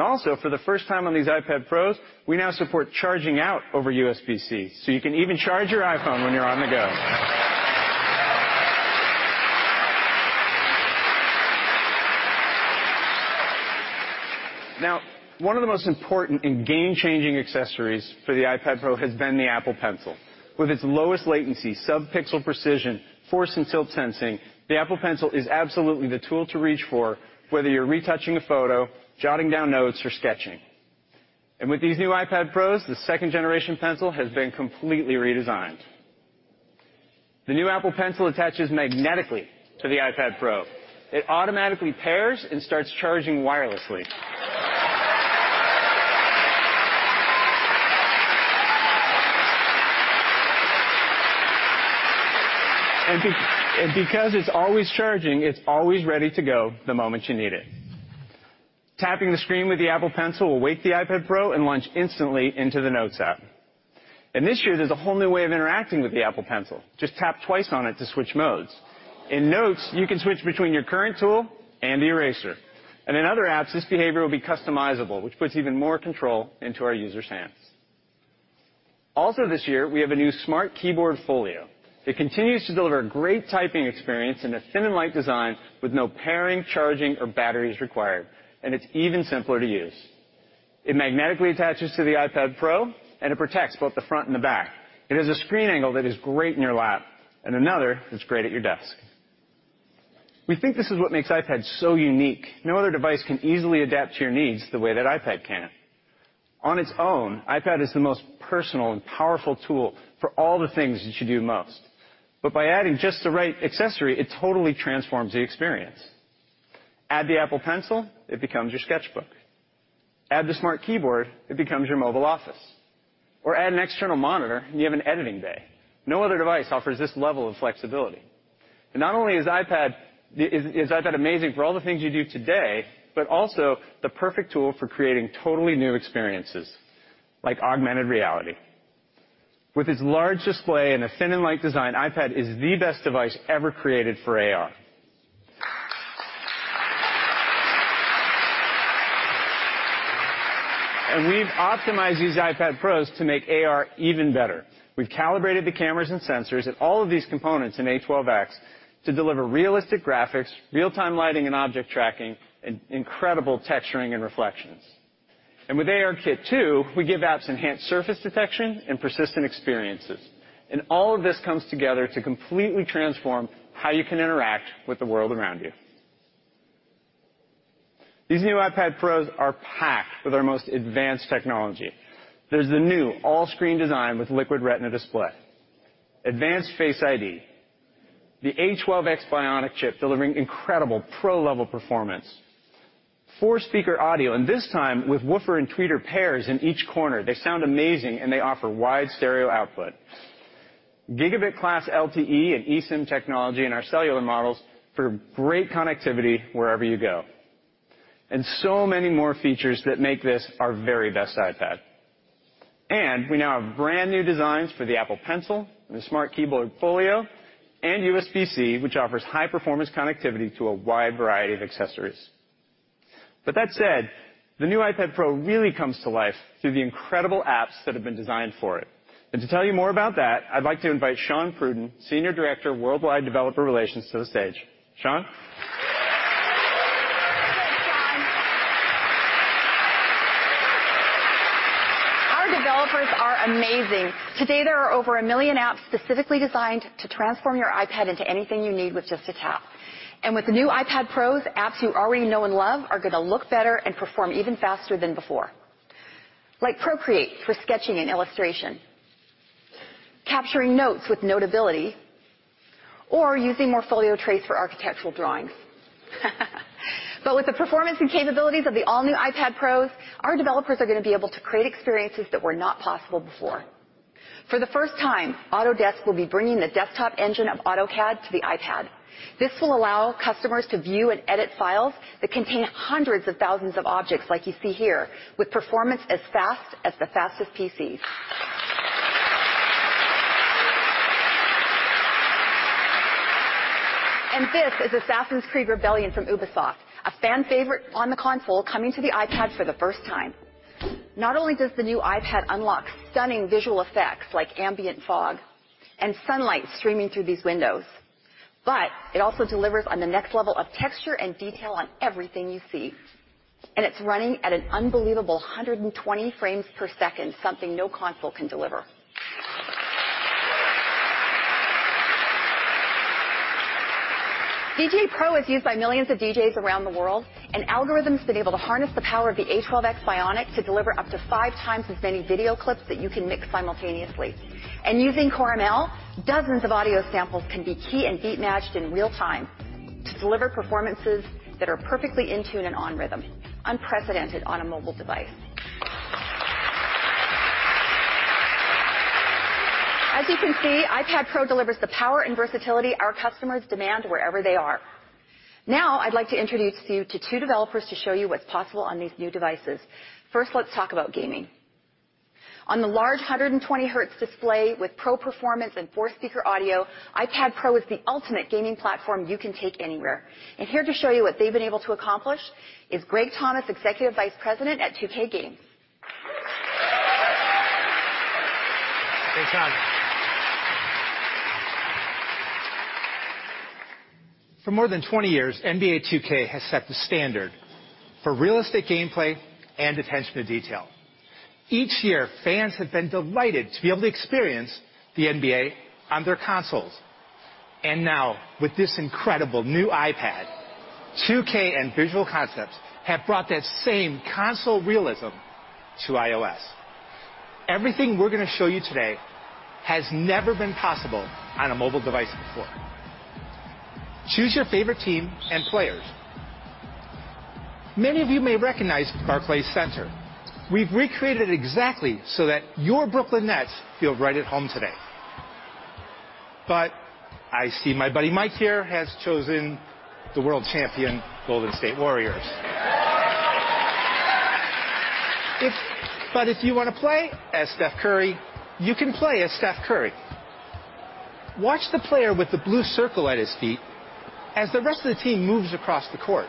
Also, for the first time on these iPad Pros, we now support charging out over USB-C, so you can even charge your iPhone when you're on the go. Now, one of the most important and game-changing accessories for the iPad Pro has been the Apple Pencil. With its lowest latency, sub-pixel precision, force and tilt sensing, the Apple Pencil is absolutely the tool to reach for, whether you're retouching a photo, jotting down notes, or sketching. With these new iPad Pros, the second-generation Pencil has been completely redesigned. The new Apple Pencil attaches magnetically to the iPad Pro. It automatically pairs and starts charging wirelessly. Because it's always charging, it's always ready to go the moment you need it. Tapping the screen with the Apple Pencil will wake the iPad Pro and launch instantly into the Notes app. This year, there's a whole new way of interacting with the Apple Pencil. Just tap twice on it to switch modes. In Notes, you can switch between your current tool and the eraser. In other apps, this behavior will be customizable, which puts even more control into our users' hands. Also this year, we have a new Smart Keyboard Folio that continues to deliver a great typing experience in a thin and light design with no pairing, charging, or batteries required, and it's even simpler to use. It magnetically attaches to the iPad Pro, and it protects both the front and the back. It has a screen angle that is great in your lap, and another that's great at your desk. We think this is what makes iPad so unique. No other device can easily adapt to your needs the way that iPad can. On its own, iPad is the most personal and powerful tool for all the things that you do most. By adding just the right accessory, it totally transforms the experience. Add the Apple Pencil, it becomes your sketchbook. Add the Smart Keyboard, it becomes your mobile office. Add an external monitor, and you have an editing bay. No other device offers this level of flexibility. Not only is iPad amazing for all the things you do today, but also the perfect tool for creating totally new experiences, like augmented reality. With its large display and a thin and light design, iPad is the best device ever created for AR. We've optimized these iPad Pros to make AR even better. We've calibrated the cameras and sensors and all of these components in A12X to deliver realistic graphics, real-time lighting and object tracking, and incredible texturing and reflections. With ARKit 2, we give apps enhanced surface detection and persistent experiences. All of this comes together to completely transform how you can interact with the world around you. These new iPad Pros are packed with our most advanced technology. There's the new all-screen design with Liquid Retina display, advanced Face ID, the A12X Bionic chip delivering incredible pro-level performance, four-speaker audio, and this time with woofer and tweeter pairs in each corner. They sound amazing, and they offer wide stereo output. Gigabit Class LTE and eSIM technology in our cellular models for great connectivity wherever you go. So many more features that make this our very best iPad. We now have brand-new designs for the Apple Pencil and the Smart Keyboard Folio, and USB-C, which offers high-performance connectivity to a wide variety of accessories. That said, the new iPad Pro really comes to life through the incredible apps that have been designed for it. To tell you more about that, I'd like to invite Sean Pruden, Senior Director of Worldwide Developer Relations, to the stage. Sean. Thanks, John. Our developers are amazing. Today, there are over a million apps specifically designed to transform your iPad into anything you need with just a tap. With the new iPad Pros, apps you already know and love are going to look better and perform even faster than before, like Procreate for sketching and illustration, capturing notes with Notability, or using Morpholio Trace for architectural drawings. With the performance and capabilities of the all-new iPad Pros, our developers are going to be able to create experiences that were not possible before. For the first time, Autodesk will be bringing the desktop engine of AutoCAD to the iPad. This will allow customers to view and edit files that contain hundreds of thousands of objects like you see here, with performance as fast as the fastest PCs. This is Assassin's Creed Rebellion from Ubisoft, a fan favorite on the console coming to the iPad for the first time. Not only does the new iPad unlock stunning visual effects like ambient fog and sunlight streaming through these windows, but it also delivers on the next level of texture and detail on everything you see. It's running at an unbelievable 120 frames per second, something no console can deliver. djay Pro is used by millions of DJs around the world, and Algoriddim have been able to harness the power of the A12X Bionic to deliver up to five times as many video clips that you can mix simultaneously. Using Core ML, dozens of audio samples can be key and beat-matched in real time to deliver performances that are perfectly in tune and on rhythm, unprecedented on a mobile device. As you can see, iPad Pro delivers the power and versatility our customers demand wherever they are. Now, I'd like to introduce you to two developers to show you what's possible on these new devices. First, let's talk about gaming. On the large 120Hz display with pro performance and 4-speaker audio, iPad Pro is the ultimate gaming platform you can take anywhere. Here to show you what they've been able to accomplish is Greg Thomas, Executive Vice President at 2K Games. Hey, Tom. For more than 20 years, NBA 2K has set the standard for realistic gameplay and attention to detail. Each year, fans have been delighted to be able to experience the NBA on their consoles. Now, with this incredible new iPad, 2K and Visual Concepts have brought that same console realism to iOS. Everything we're going to show you today has never been possible on a mobile device before. Choose your favorite team and players. Many of you may recognize Barclays Center. We've recreated it exactly so that your Brooklyn Nets feel right at home today. I see my buddy Mike here has chosen the world champion Golden State Warriors. If you want to play as Steph Curry, you can play as Steph Curry. Watch the player with the blue circle at his feet as the rest of the team moves across the court.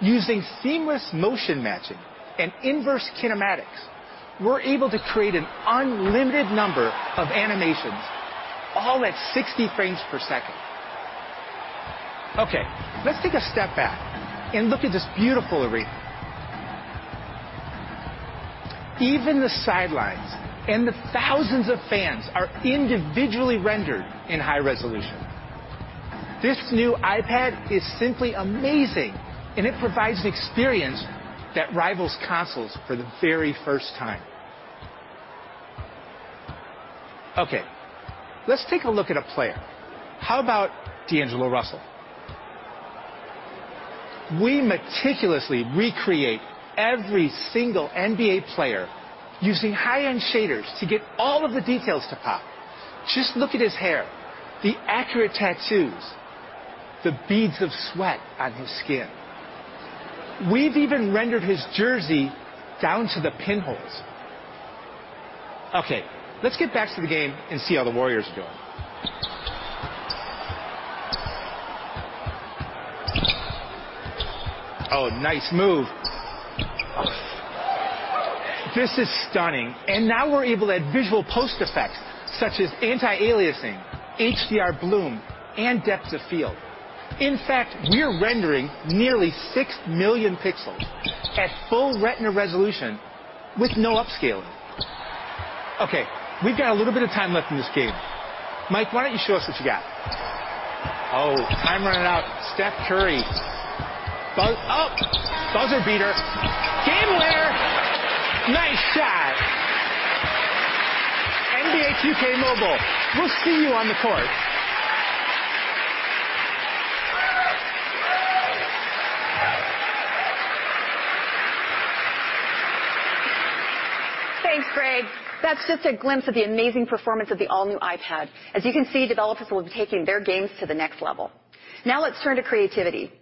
Using seamless motion matching and inverse kinematics, we're able to create an unlimited number of animations, all at 60 frames per second. Let's take a step back and look at this beautiful arena. Even the sidelines and the thousands of fans are individually rendered in high resolution. This new iPad is simply amazing. It provides an experience that rivals consoles for the very first time. Let's take a look at a player. How about D'Angelo Russell? We meticulously recreate every single NBA player using high-end shaders to get all of the details to pop. Just look at his hair, the accurate tattoos, the beads of sweat on his skin. We've even rendered his jersey down to the pinholes. Let's get back to the game and see how the Warriors are doing. Oh, nice move. This is stunning. Now we're able to add visual post effects such as anti-aliasing, HDR bloom, and depths of field. In fact, we're rendering nearly 6 million pixels at full Retina resolution with no upscaling. Okay, we've got a little bit of time left in this game. Mike, why don't you show us what you got? Time running out. Steph Curry. Buzzer beater. Game winner. Nice shot. NBA 2K Mobile. We'll see you on the court. Thanks, Greg. That's just a glimpse of the amazing performance of the all-new iPad. You can see, developers will be taking their games to the next level. Let's turn to creativity.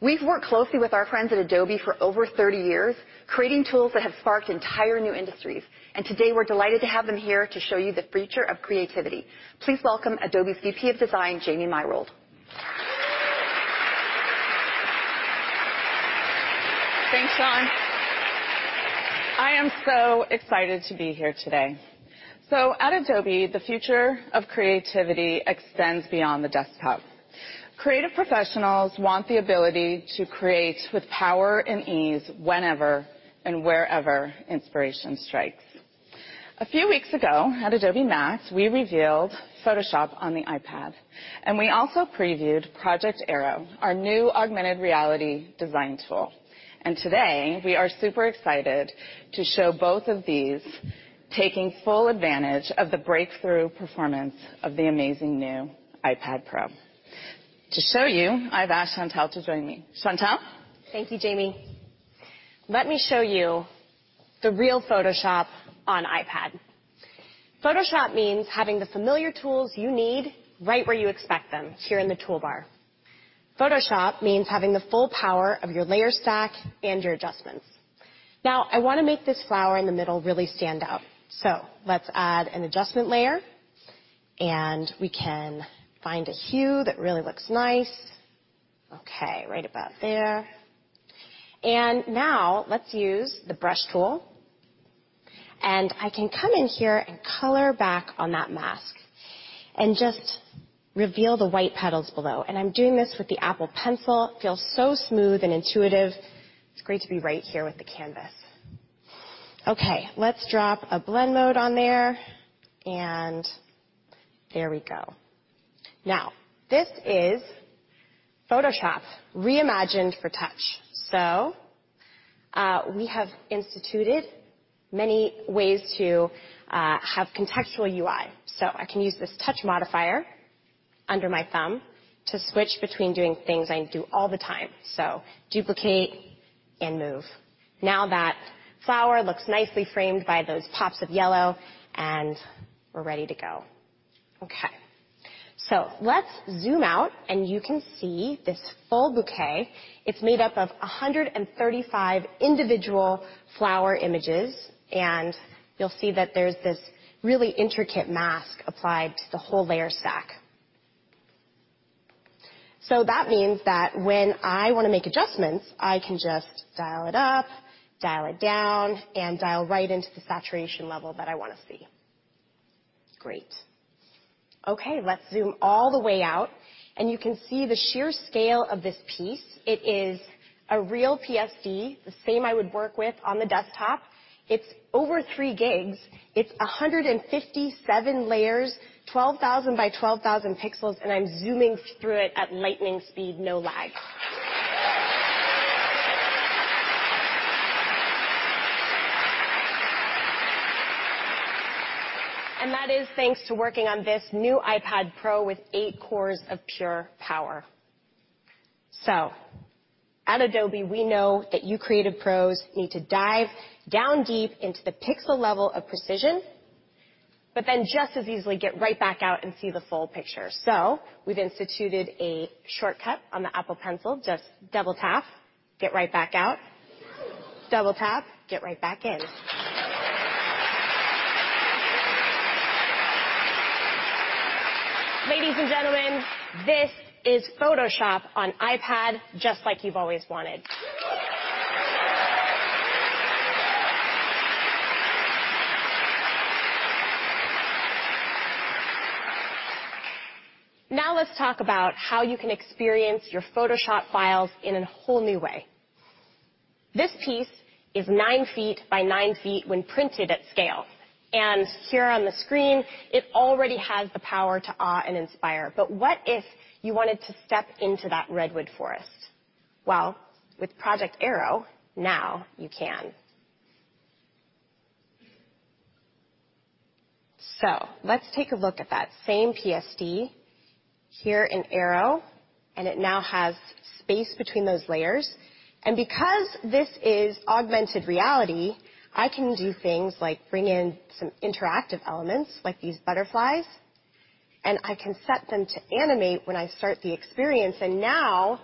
We've worked closely with our friends at Adobe for over 30 years, creating tools that have sparked entire new industries. Today we're delighted to have them here to show you the future of creativity. Please welcome Adobe's VP of Design, Jamie Myrold. Thanks, Sean. I am so excited to be here today. At Adobe, the future of creativity extends beyond the desktop. Creative professionals want the ability to create with power and ease whenever and wherever inspiration strikes. A few weeks ago at Adobe MAX, we revealed Photoshop on the iPad, and we also previewed Project Aero, our new augmented reality design tool. Today, we are super excited to show both of these taking full advantage of the breakthrough performance of the amazing new iPad Pro. To show you, I've asked Chantel to join me. Chantel? Thank you, Jamie. Let me show you the real Photoshop on iPad. Photoshop means having the familiar tools you need right where you expect them, here in the toolbar. Photoshop means having the full power of your layer stack and your adjustments. I want to make this flower in the middle really stand out. Let's add an adjustment layer, and we can find a hue that really looks nice. Okay, right about there. Let's use the brush tool, and I can come in here and color back on that mask and just reveal the white petals below. I'm doing this with the Apple Pencil. It feels so smooth and intuitive. It's great to be right here with the canvas. Okay, let's drop a blend mode on there. There we go. This is Photoshop reimagined for touch. We have instituted many ways to have contextual UI. I can use this touch modifier under my thumb to switch between doing things I do all the time. Duplicate and move. Now that flower looks nicely framed by those pops of yellow, and we're ready to go. Okay. Let's zoom out and you can see this full bouquet. It's made up of 135 individual flower images, and you'll see that there's this really intricate mask applied to the whole layer stack. That means that when I want to make adjustments, I can just dial it up, dial it down, and dial right into the saturation level that I want to see. Great. Okay, let's zoom all the way out and you can see the sheer scale of this piece. It is a real PSD, the same I would work with on the desktop. It's over 3 gigs. It's 157 layers, 12,000 by 12,000 pixels, and I'm zooming through it at lightning speed, no lag. That is thanks to working on this new iPad Pro with 8 cores of pure power. At Adobe, we know that you creative pros need to dive down deep into the pixel level of precision, but then just as easily get right back out and see the full picture. We've instituted a shortcut on the Apple Pencil. Just double tap. Get right back out. Double tap. Get right back in. Ladies and gentlemen, this is Photoshop on iPad just like you've always wanted. Now let's talk about how you can experience your Photoshop files in a whole new way. This piece is 9 feet by 9 feet when printed at scale, and here on the screen, it already has the power to awe and inspire. What if you wanted to step into that redwood forest? Well, with Project Aero, now you can. Let's take a look at that same PSD here in Aero, and it now has space between those layers. Because this is augmented reality, I can do things like bring in some interactive elements, like these butterflies, and I can set them to animate when I start the experience. Now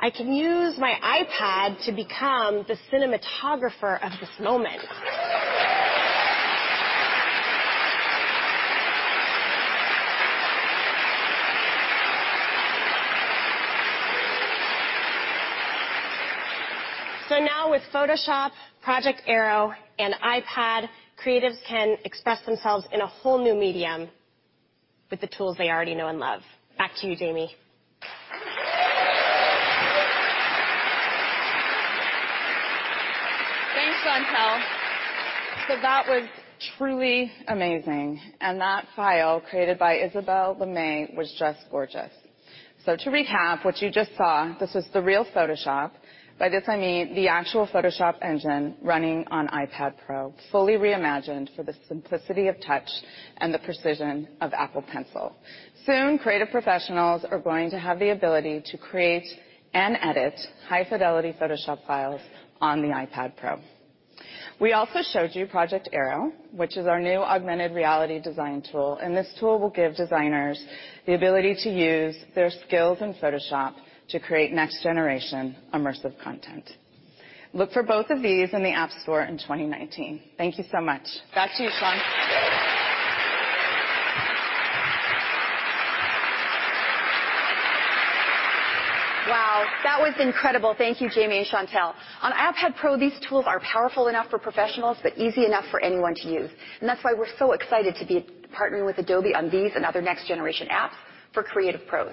I can use my iPad to become the cinematographer of this moment. Now with Photoshop, Project Aero, and iPad, creatives can express themselves in a whole new medium with the tools they already know and love. Back to you, Jamie. Thanks, Chantel. That was truly amazing, and that file, created by Isabel Lemay, was just gorgeous. To recap what you just saw, this was the real Photoshop. By this I mean the actual Photoshop engine running on iPad Pro, fully reimagined for the simplicity of touch and the precision of Apple Pencil. Soon, creative professionals are going to have the ability to create and edit high-fidelity Photoshop files on the iPad Pro. We also showed you Project Aero, which is our new augmented reality design tool, and this tool will give designers the ability to use their skills in Photoshop to create next-generation immersive content. Look for both of these in the App Store in 2019. Thank you so much. Back to you, Sean. Wow, that was incredible. Thank you, Jamie and Chantel. On iPad Pro, these tools are powerful enough for professionals but easy enough for anyone to use. That's why we're so excited to be partnering with Adobe on these and other next-generation apps for creative pros.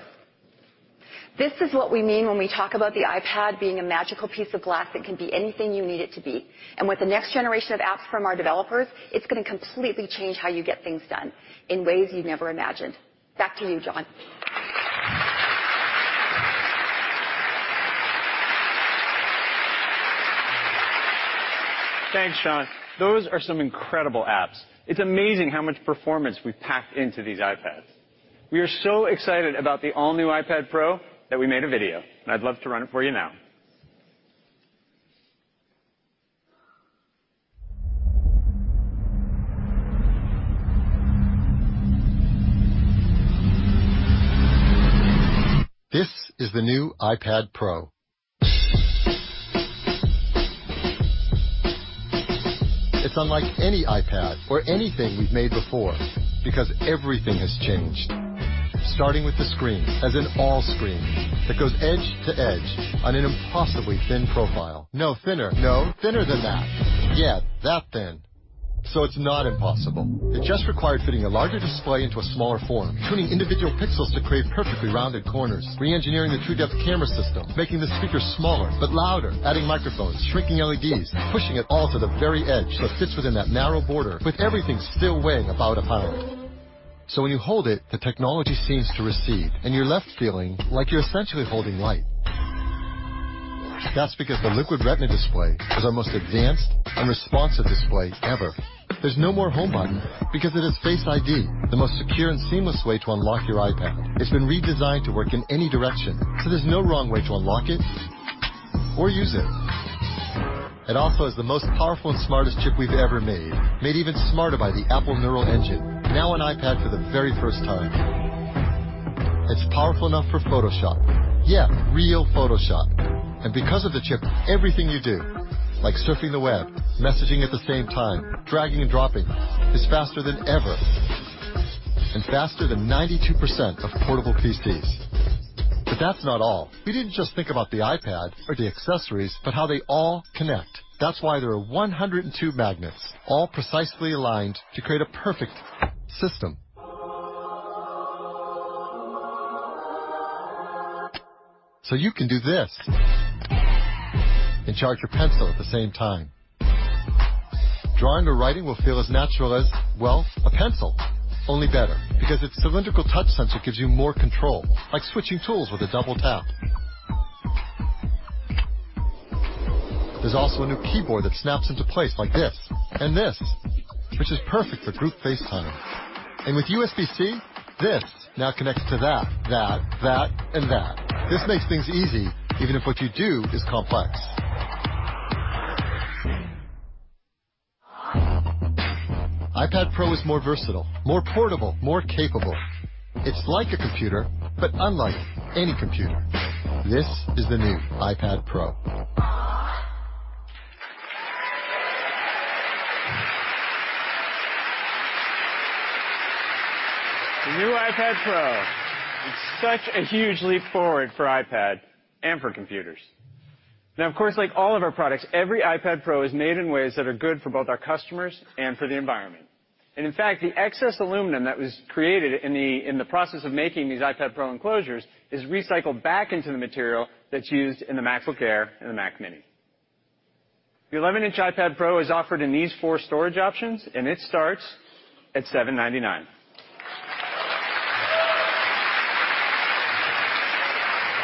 This is what we mean when we talk about the iPad being a magical piece of glass that can be anything you need it to be. With the next generation of apps from our developers, it's going to completely change how you get things done in ways you never imagined. Back to you, John. Thanks, Sean. Those are some incredible apps. It's amazing how much performance we've packed into these iPads. We are so excited about the all-new iPad Pro that we made a video, I'd love to run it for you now. This is the new iPad Pro. It's unlike any iPad or anything we've made before, because everything has changed. Starting with the screen, as in all screen, that goes edge to edge on an impossibly thin profile. No, thinner. No, thinner than that. Yeah, that thin. It's not impossible. It just required fitting a larger display into a smaller form, tuning individual pixels to create perfectly rounded corners, re-engineering the TrueDepth camera system, making the speakers smaller but louder, adding microphones, shrinking LEDs, and pushing it all to the very edge so it fits within that narrow border, with everything still weighing about a pound. When you hold it, the technology seems to recede, and you're left feeling like you're essentially holding light. That's because the Liquid Retina display is our most advanced and responsive display ever. There's no more Home button because it has Face ID, the most secure and seamless way to unlock your iPad. It's been redesigned to work in any direction, so there's no wrong way to unlock it or use it. It also has the most powerful and smartest chip we've ever made. Made even smarter by the Apple Neural Engine, now on iPad for the very first time. It's powerful enough for Photoshop. Yeah, real Photoshop. Because of the chip, everything you do, like surfing the web, messaging at the same time, dragging and dropping, is faster than ever, and faster than 92% of portable PCs. That's not all. We didn't just think about the iPad or the accessories, but how they all connect. That's why there are 102 magnets, all precisely aligned to create a perfect system. You can do this and charge your Pencil at the same time. Drawing or writing will feel as natural as, well, a pencil, only better because its cylindrical touch sensor gives you more control, like switching tools with a double-tap. There's also a new keyboard that snaps into place like this and this, which is perfect for Group FaceTime. With USB-C, this now connects to that, that, and that. This makes things easy, even if what you do is complex. iPad Pro is more versatile, more portable, more capable. It's like a computer, but unlike any computer. This is the new iPad Pro. The new iPad Pro. It's such a huge leap forward for iPad and for computers. Of course, like all of our products, every iPad Pro is made in ways that are good for both our customers and for the environment. In fact, the excess aluminum that was created in the process of making these iPad Pro enclosures is recycled back into the material that's used in the MacBook Air and the Mac mini. The 11-inch iPad Pro is offered in these four storage options, and it starts at $799.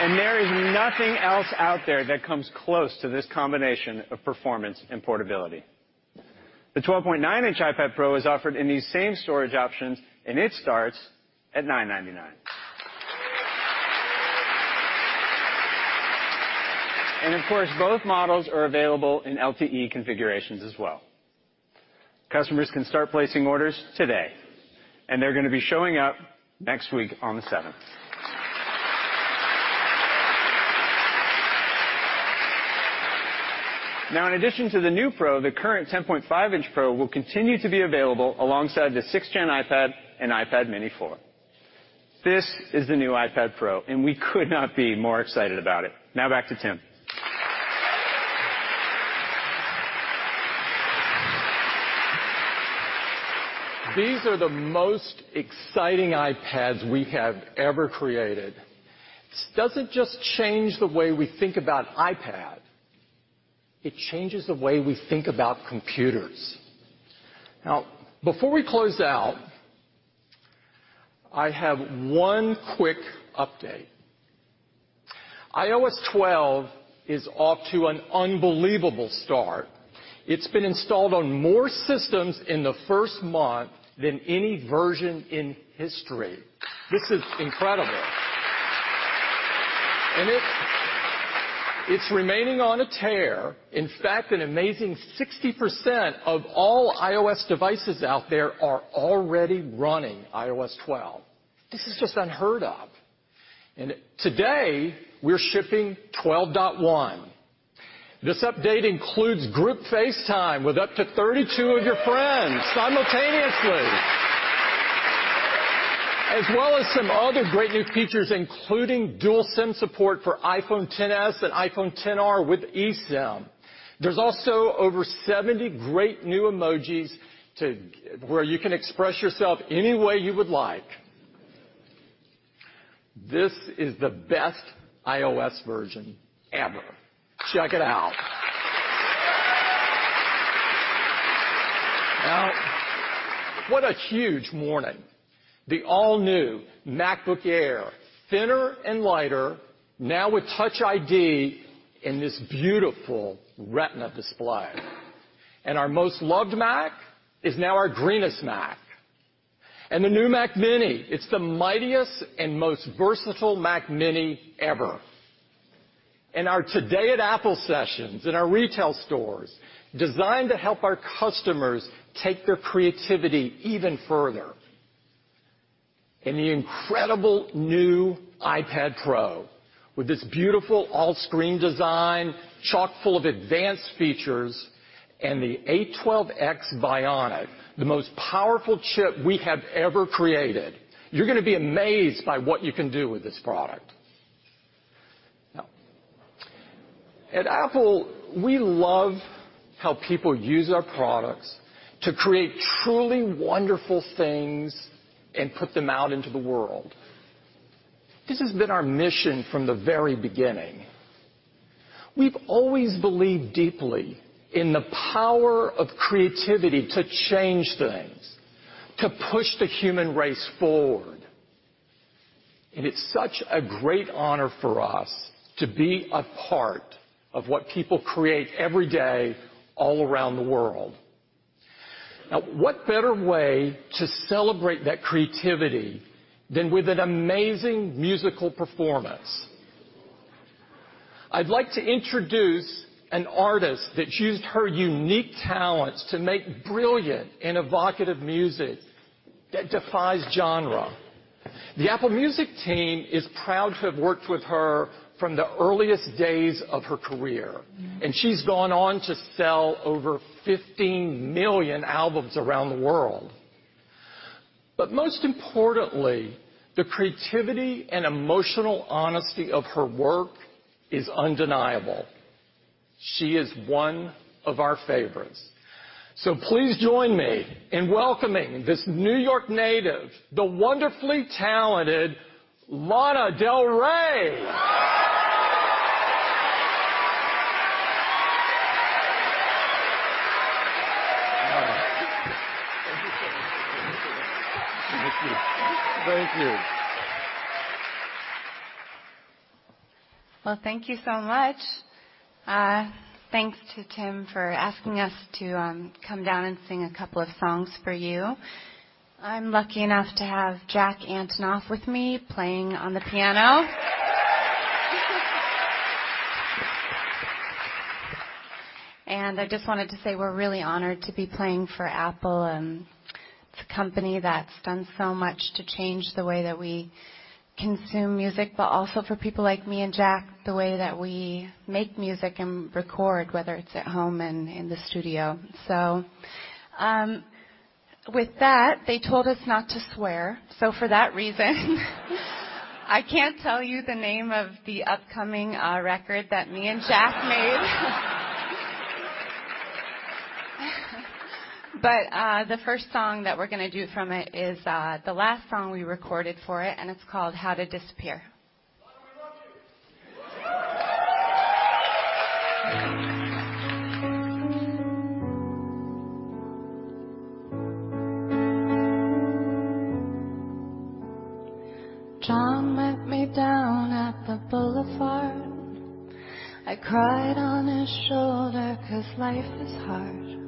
There is nothing else out there that comes close to this combination of performance and portability. The 12.9-inch iPad Pro is offered in these same storage options, and it starts at $999. Of course, both models are available in LTE configurations as well. Customers can start placing orders today, they're going to be showing up next week on the 7th. In addition to the new Pro, the current 10.5-inch Pro will continue to be available alongside the 6th Gen iPad and iPad mini 4. This is the new iPad Pro, we could not be more excited about it. Back to Tim. Before we close out, I have one quick update. iOS 12 is off to an unbelievable start. It's been installed on more systems in the first month than any version in history. This is incredible. It's remaining on a tear. In fact, an amazing 60% of all iOS devices out there are already running iOS 12. This is just unheard of. Today, we're shipping 12.1. This update includes Group FaceTime with up to 32 of your friends simultaneously. As well as some other great new features, including dual-SIM support for iPhone XS and iPhone XR with eSIM. There's also over 70 great new emojis where you can express yourself any way you would like. This is the best iOS version ever. Check it out. What a huge morning. The all-new MacBook Air, thinner and lighter, now with Touch ID in this beautiful Retina display. Our most loved Mac is now our greenest Mac. The new Mac mini, it's the mightiest and most versatile Mac mini ever. Our Today at Apple sessions in our retail stores, designed to help our customers take their creativity even further. The incredible new iPad Pro with this beautiful all-screen design, chock-full of advanced features, and the A12X Bionic, the most powerful chip we have ever created. You're going to be amazed by what you can do with this product. At Apple, we love how people use our products to create truly wonderful things and put them out into the world. This has been our mission from the very beginning. We've always believed deeply in the power of creativity to change things, to push the human race forward. It's such a great honor for us to be a part of what people create every day all around the world. What better way to celebrate that creativity than with an amazing musical performance? I'd like to introduce an artist that's used her unique talents to make brilliant and evocative music that defies genre. The Apple Music team is proud to have worked with her from the earliest days of her career, and she's gone on to sell over 15 million albums around the world. Most importantly, the creativity and emotional honesty of her work is undeniable. She is one of our favorites. Please join me in welcoming this New York native, the wonderfully talented Lana Del Rey. Thank you so much. Thank you. Thank you. Well, thank you so much. Thanks to Tim for asking us to come down and sing a couple of songs for you. I'm lucky enough to have Jack Antonoff with me playing on the piano. I just wanted to say we're really honored to be playing for Apple. It's a company that's done so much to change the way that we consume music, but also for people like me and Jack, the way that we make music and record, whether it's at home and in the studio. With that, they told us not to swear, so for that reason I can't tell you the name of the upcoming record that me and Jack made. The first song that we're going to do from it is the last song we recorded for it, and it's called "How to Disappear". Lana, we love you. John met me down at the boulevard. I cried on his shoulder 'cause life is hard.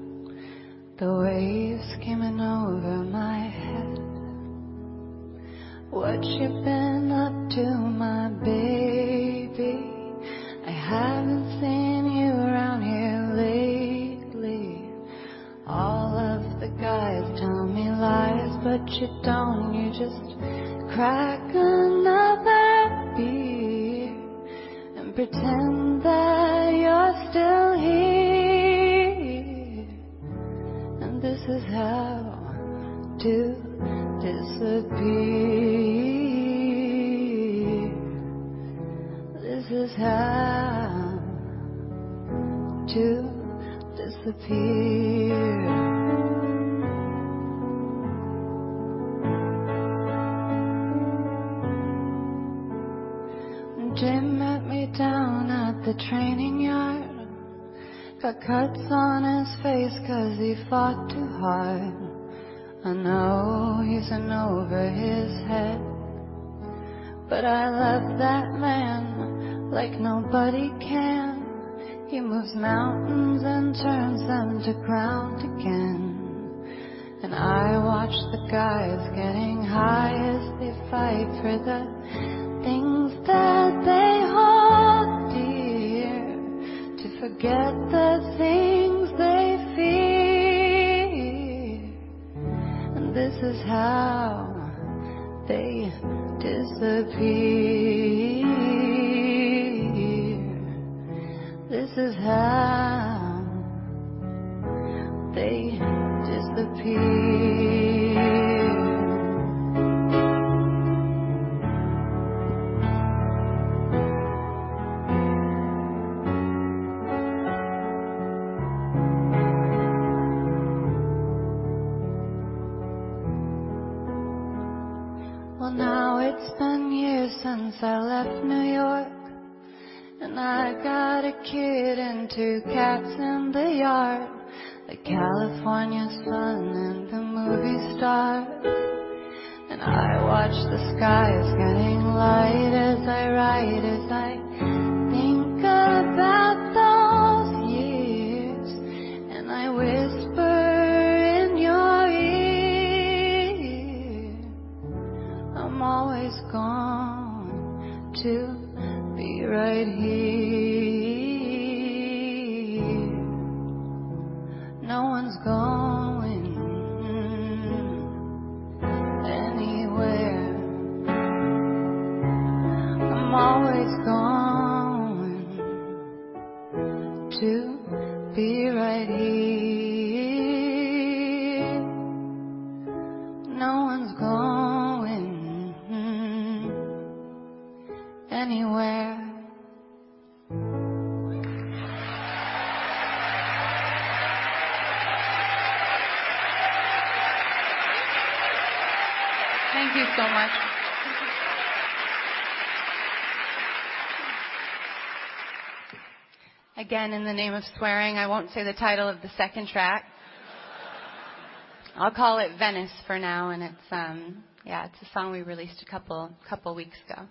The waves coming over my head. What you been up to my baby? I haven't seen you around here lately. All of the guys tell me lies but you don't. You just crack another beer and pretend that you're still here. This is "How to Disappear". This is "How to Disappear". Jim met me down at the training yard. Got cuts on his face 'cause he fought too hard. I know he's in over his head. I love that man like nobody can. He moves mountains and turns them to ground again. I watch the guys getting high as they fight for the things that they hold dear. To forget the things they fear. This is how they disappear. This is how they disappear. Well, now it's been years since I left New York. I got a kid and two cats in the yard. California's fun and the movie starts. I watch the skies getting light as I write, as I think about those years. I whisper in your ear. I'm always going to be right here. No one's going anywhere. I'm always going to be right here. No one's going anywhere. Thank you so much. Again, in the name of swearing, I won't say the title of the second track. I'll call it Venice for now, and it's a song we released a couple of weeks ago.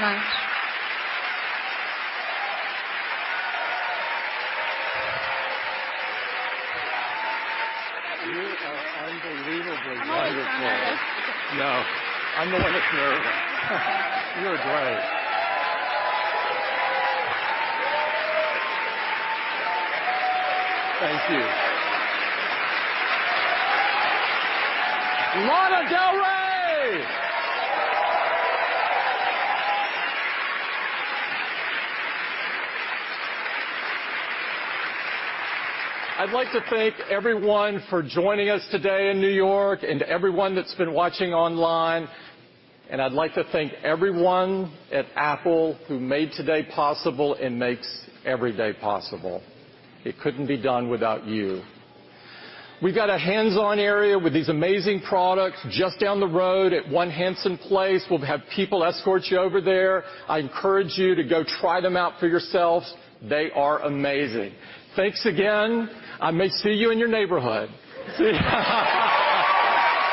Thank you very much. You are unbelievably wonderful. I'm always nervous. No, I'm the one that's nervous. You're great. Thank you. Lana Del Rey. I'd like to thank everyone for joining us today in New York and everyone that's been watching online. I'd like to thank everyone at Apple who made today possible and makes every day possible. It couldn't be done without you. We've got a hands-on area with these amazing products just down the road at One Hanson Place. We'll have people escort you over there. I encourage you to go try them out for yourselves. They are amazing. Thanks again. I may see you in your neighborhood.